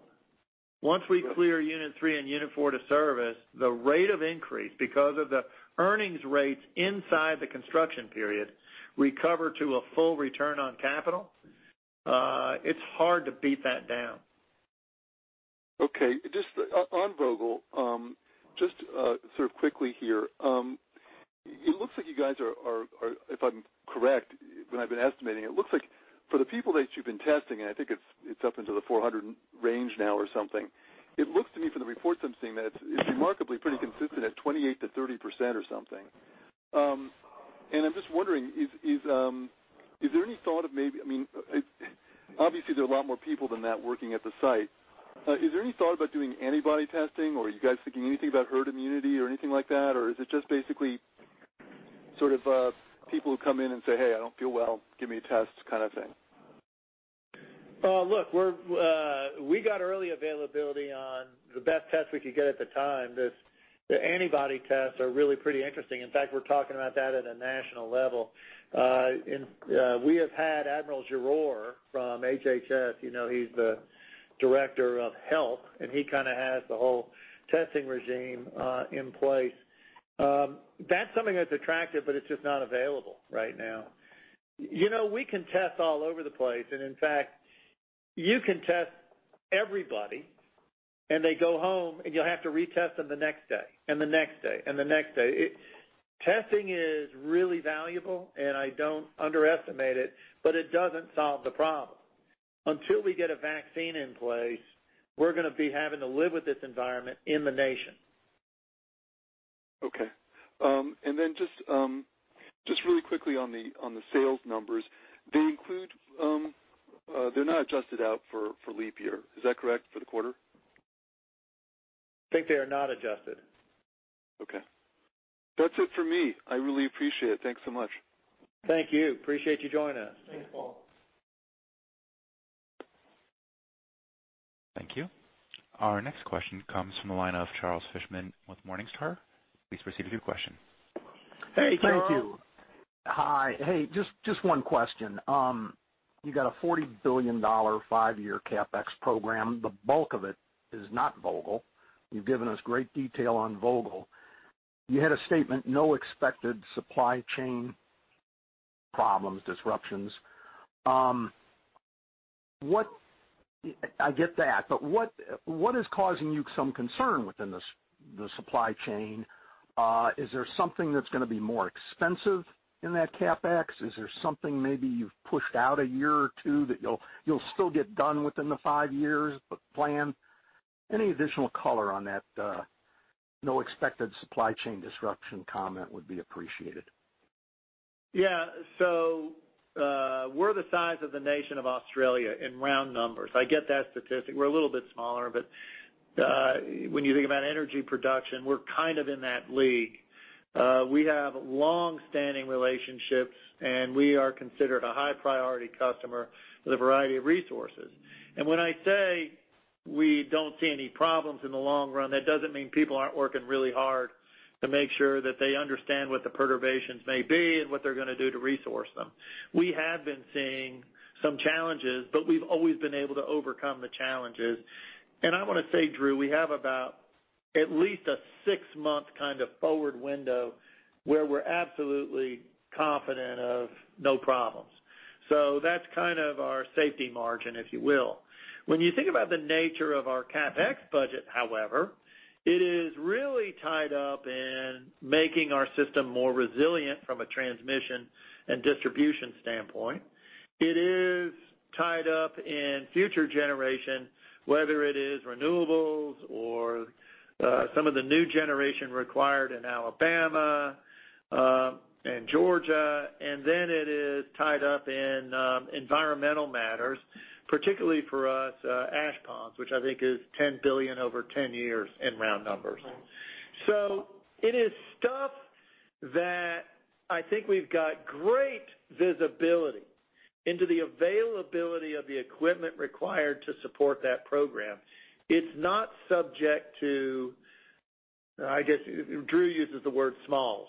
Once we clear unit three and unit four to service, the rate of increase because of the earnings rates inside the construction period recover to a full return on capital. It is hard to beat that down. Okay. On Vogtle, just sort of quickly here. It looks like you guys are, if I'm correct, that I've been estimating, it looks like for the people that you've been testing, and I think it's up into the 400 range now or something. It looks to me from the reports I'm seeing that it's remarkably pretty consistent at 28%-30% or something. I'm just wondering, obviously, there are a lot more people than that working at the site. Is there any thought about doing antibody testing, or are you guys thinking anything about herd immunity or anything like that? Is it just basically sort of people who come in and say, "Hey, I don't feel well. Give me a test," kind of thing? We got early availability on the best test we could get at the time. The antibody tests are really pretty interesting. We're talking about that at a national level. We have had Admiral Giroir from HHS, he's the Director of Health, and he kind of has the whole testing regime in place. That's something that's attractive, but it's just not available right now. We can test all over the place, and in fact, you can test everybody, and they go home, and you'll have to retest them the next day, and the next day, and the next day. Testing is really valuable, and I don't underestimate it, but it doesn't solve the problem. Until we get a vaccine in place, we're going to be having to live with this environment in the nation. Okay. Just really quickly on the sales numbers. They're not adjusted out for leap year. Is that correct, for the quarter? I think they are not adjusted. Okay. That's it for me. I really appreciate it. Thanks so much. Thank you. Appreciate you joining us. Thanks, Paul. Thank you. Our next question comes from the line of Charles Fishman with Morningstar. Please proceed with your question. Hey, Charles. Thank you. Hi. Just one question. You got a $40 billion five-year CapEx program. The bulk of it is not Vogtle. You've given us great detail on Vogtle. You had a statement, no expected supply chain problems, disruptions. I get that. What is causing you some concern within the supply chain? Is there something that's going to be more expensive in that CapEx? Is there something maybe you've pushed out a year or two that you'll still get done within the five years, but plan? Any additional color on that no expected supply chain disruption comment would be appreciated. Yeah. We're the size of the nation of Australia in round numbers. I get that statistic. We're a little bit smaller, but when you think about energy production, we're kind of in that league. We have long-standing relationships, and we are considered a high-priority customer with a variety of resources. When I say we don't see any problems in the long run, that doesn't mean people aren't working really hard to make sure that they understand what the perturbations may be and what they're going to do to resource them. We have been seeing some challenges, but we've always been able to overcome the challenges. I want to say, Drew, we have about at least a six-month kind of forward window where we're absolutely confident of no problems. That's kind of our safety margin, if you will. You think about the nature of our CapEx budget, however, it is really tied up in making our system more resilient from a transmission and distribution standpoint. It is tied up in future generation, whether it is renewables or some of the new generation required in Alabama and Georgia. It is tied up in environmental matters, particularly for us, ash ponds, which I think is $10 billion over 10 years in round numbers. It is stuff that I think we've got great visibility into the availability of the equipment required to support that program. It's not subject to, I guess Drew uses the word smalls.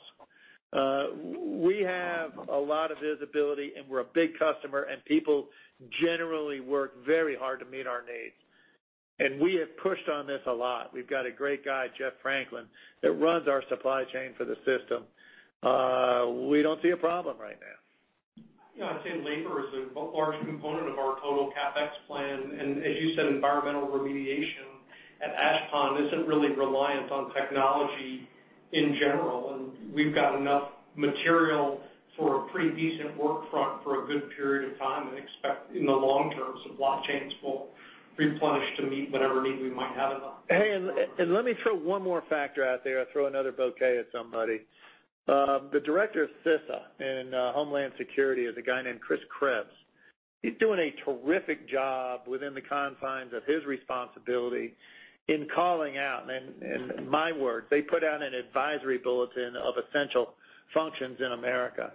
We have a lot of visibility, and we're a big customer, and people generally work very hard to meet our needs. We have pushed on this a lot. We've got a great guy, Jeff Franklin, that runs our supply chain for the system. We don't see a problem right now. Yeah, I'd say labor is a large component of our total CapEx plan. As you said, environmental remediation at ash pond isn't really reliant on technology in general. We've got enough material for a pretty decent work front for a good period of time and expect in the long term, supply chains will replenish to meet whatever need we might have enough. Let me throw one more factor out there, throw another bouquet at somebody. The Director of CISA in Homeland Security is a guy named Chris Krebs. He's doing a terrific job within the confines of his responsibility in calling out, my word, they put out an advisory bulletin of essential functions in America.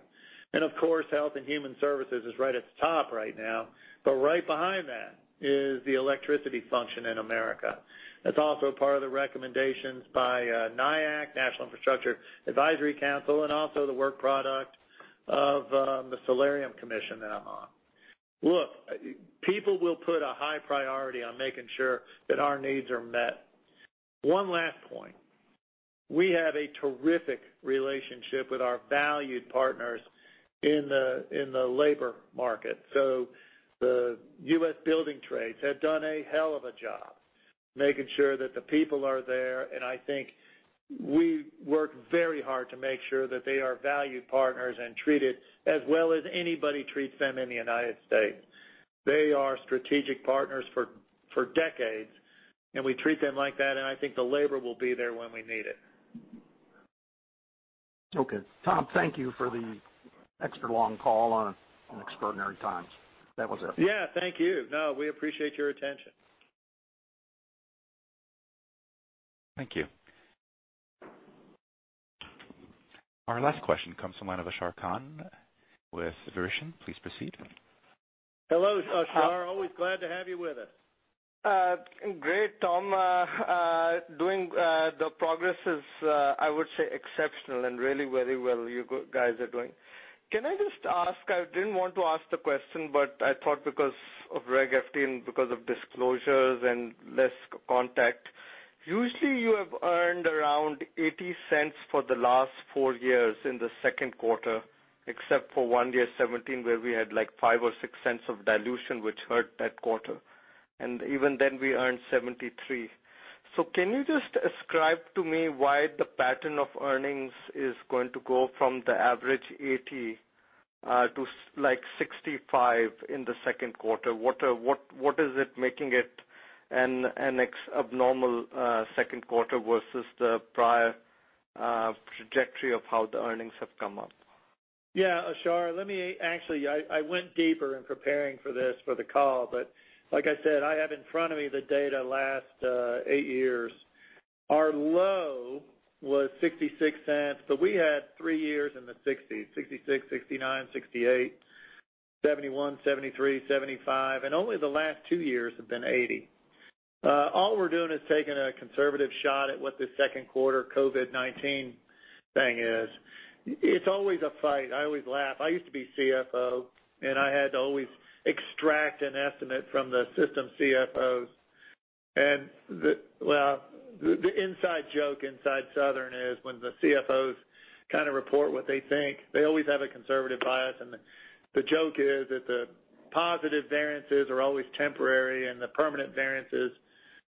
Of course, Health and Human Services is right at the top right now. Right behind that is the electricity function in America. That's also a part of the recommendations by NIAC, National Infrastructure Advisory Council, and also the work product of the Cyberspace Solarium Commission that I'm on. Look, people will put a high priority on making sure that our needs are met. One last point. We have a terrific relationship with our valued partners in the labor market. The U.S. building trades have done a hell of a job making sure that the people are there. I think we work very hard to make sure that they are valued partners and treated as well as anybody treats them in the United States. They are strategic partners for decades, and we treat them like that. I think the labor will be there when we need it. Okay. Tom, thank you for the extra long call on extraordinary times. That was it. Yeah. Thank you. No, we appreciate your attention. Thank you. Our last question comes from the line of Ashar Khan with Verition. Please proceed. Hello, Ashar. Always glad to have you with us. Great, Tom. The progress is, I would say, exceptional and really very well you guys are doing. Can I just ask, I didn't want to ask the question, but I thought because of Regulation FD and because of disclosures and less contact. Usually, you have earned around $0.80 for the last 4 years in the second quarter, except for one year, 2017, where we had $0.05 or $0.06 of dilution, which hurt that quarter. Even then, we earned $0.73. Can you just ascribe to me why the pattern of earnings is going to go from the average $0.80-$0.65 in the second quarter? What is it making it an abnormal second quarter versus the prior trajectory of how the earnings have come up? Yeah, Ashar. Actually, I went deeper in preparing for this for the call, but like I said, I have in front of me the data last eight years. Our low was $0.66, so we had three years in the 60s, $0.66, $0.69, $0.68, $0.71, $0.73, $0.75, and only the last two years have been $0.80. All we're doing is taking a conservative shot at what this second quarter COVID-19 thing is. It's always a fight. I always laugh. I used to be CFO, and I had to always extract an estimate from the system CFOs. The inside joke inside Southern is when the CFOs report what they think, they always have a conservative bias, and the joke is that the positive variances are always temporary, and the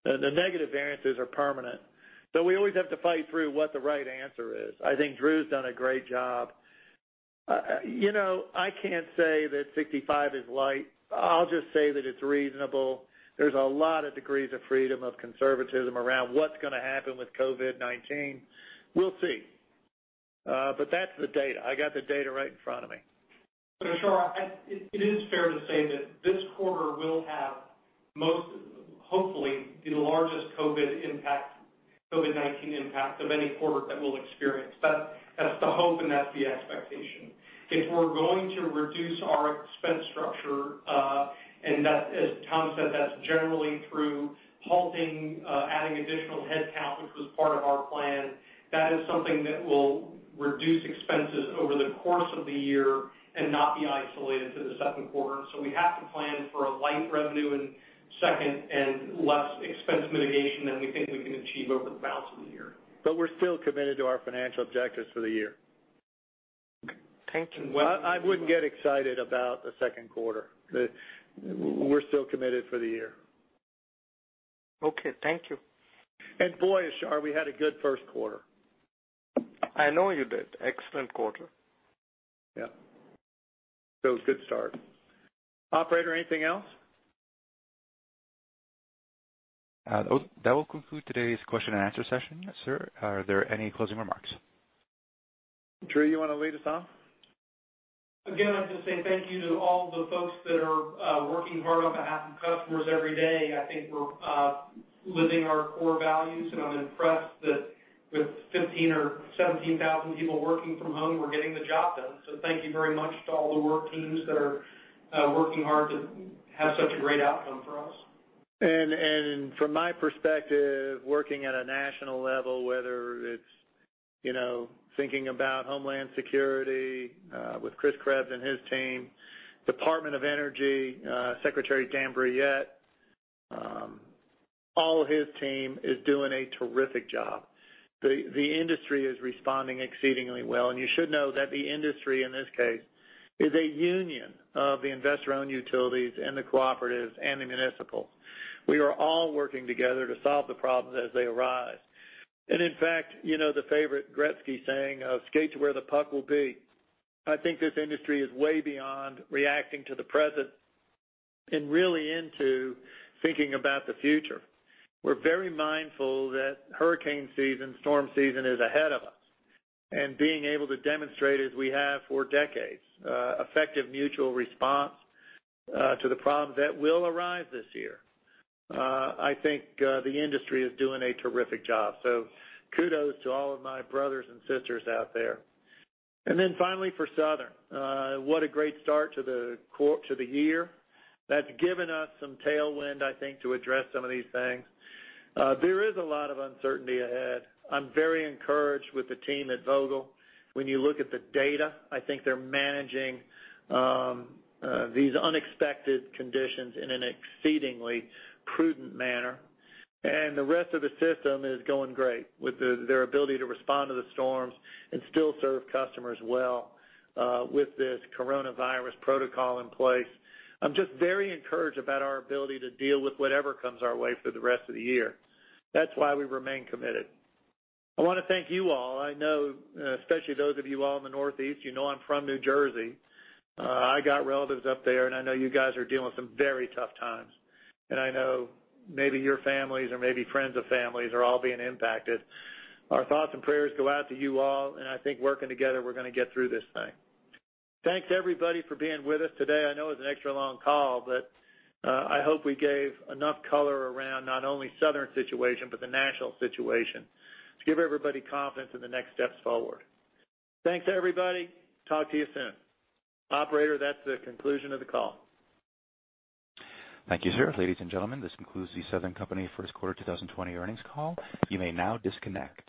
negative variances are permanent. We always have to fight through what the right answer is. I think Drew's done a great job. I can't say that $0.65 is light. I'll just say that it's reasonable. There's a lot of degrees of freedom of conservatism around what's going to happen with COVID-19. We'll see. That's the data. I got the data right in front of me. Ashar, it is fair to say that this quarter will have most, hopefully, the largest COVID-19 impact of any quarter that we'll experience. That's the hope and that's the expectation. If we're going to reduce our expense structure, and as Tom said, that's generally through halting adding additional headcount, which was part of our plan. That is something that will reduce expenses over the course of the year and not be isolated to the second quarter. We have to plan for a light revenue in second and less expense mitigation than we think we can achieve over the balance of the year. We're still committed to our financial objectives for the year. Thank you. Well, I wouldn't get excited about the second quarter. We're still committed for the year. Okay. Thank you. Boy, Ashar, we had a good first quarter. I know you did. Excellent quarter. Yeah. good start. Operator, anything else? That will conclude today's question and answer session. Sir, are there any closing remarks? Drew, you want to lead us off? I'd just say thank you to all the folks that are working hard on behalf of customers every day. I think we're living our core values, and I'm impressed that with 15,000 or 17,000 people working from home, we're getting the job done. Thank you very much to all the work teams that are working hard to have such a great outcome for us. From my perspective, working at a national level, whether it's thinking about Homeland Security with Chris Krebs and his team, Department of Energy, Secretary Dan Brouillette, all of his team is doing a terrific job. The industry is responding exceedingly well, you should know that the industry, in this case, is a union of the investor-owned utilities and the cooperatives and the municipal. We are all working together to solve the problems as they arise. In fact, the favorite Gretzky saying of, "Skate to where the puck will be," I think this industry is way beyond reacting to the present and really into thinking about the future. We're very mindful that hurricane season, storm season is ahead of us, and being able to demonstrate as we have for decades, effective mutual response to the problems that will arise this year. I think the industry is doing a terrific job. Kudos to all of my brothers and sisters out there. Finally for Southern, what a great start to the year. That's given us some tailwind, I think, to address some of these things. There is a lot of uncertainty ahead. I'm very encouraged with the team at Vogtle. When you look at the data, I think they're managing these unexpected conditions in an exceedingly prudent manner. The rest of the system is going great with their ability to respond to the storms and still serve customers well with this coronavirus protocol in place. I'm just very encouraged about our ability to deal with whatever comes our way for the rest of the year. That's why we remain committed. I want to thank you all. I know, especially those of you all in the Northeast, you know I'm from New Jersey. I got relatives up there. I know you guys are dealing with some very tough times. I know maybe your families or maybe friends of families are all being impacted. Our thoughts and prayers go out to you all, and I think working together, we're going to get through this thing. Thanks to everybody for being with us today. I know it was an extra-long call, but I hope we gave enough color around not only Southern's situation but the national situation to give everybody confidence in the next steps forward. Thanks, everybody. Talk to you soon. Operator, that's the conclusion of the call. Thank you, sir. Ladies and gentlemen, this concludes The Southern Company first quarter 2020 earnings call. You may now disconnect.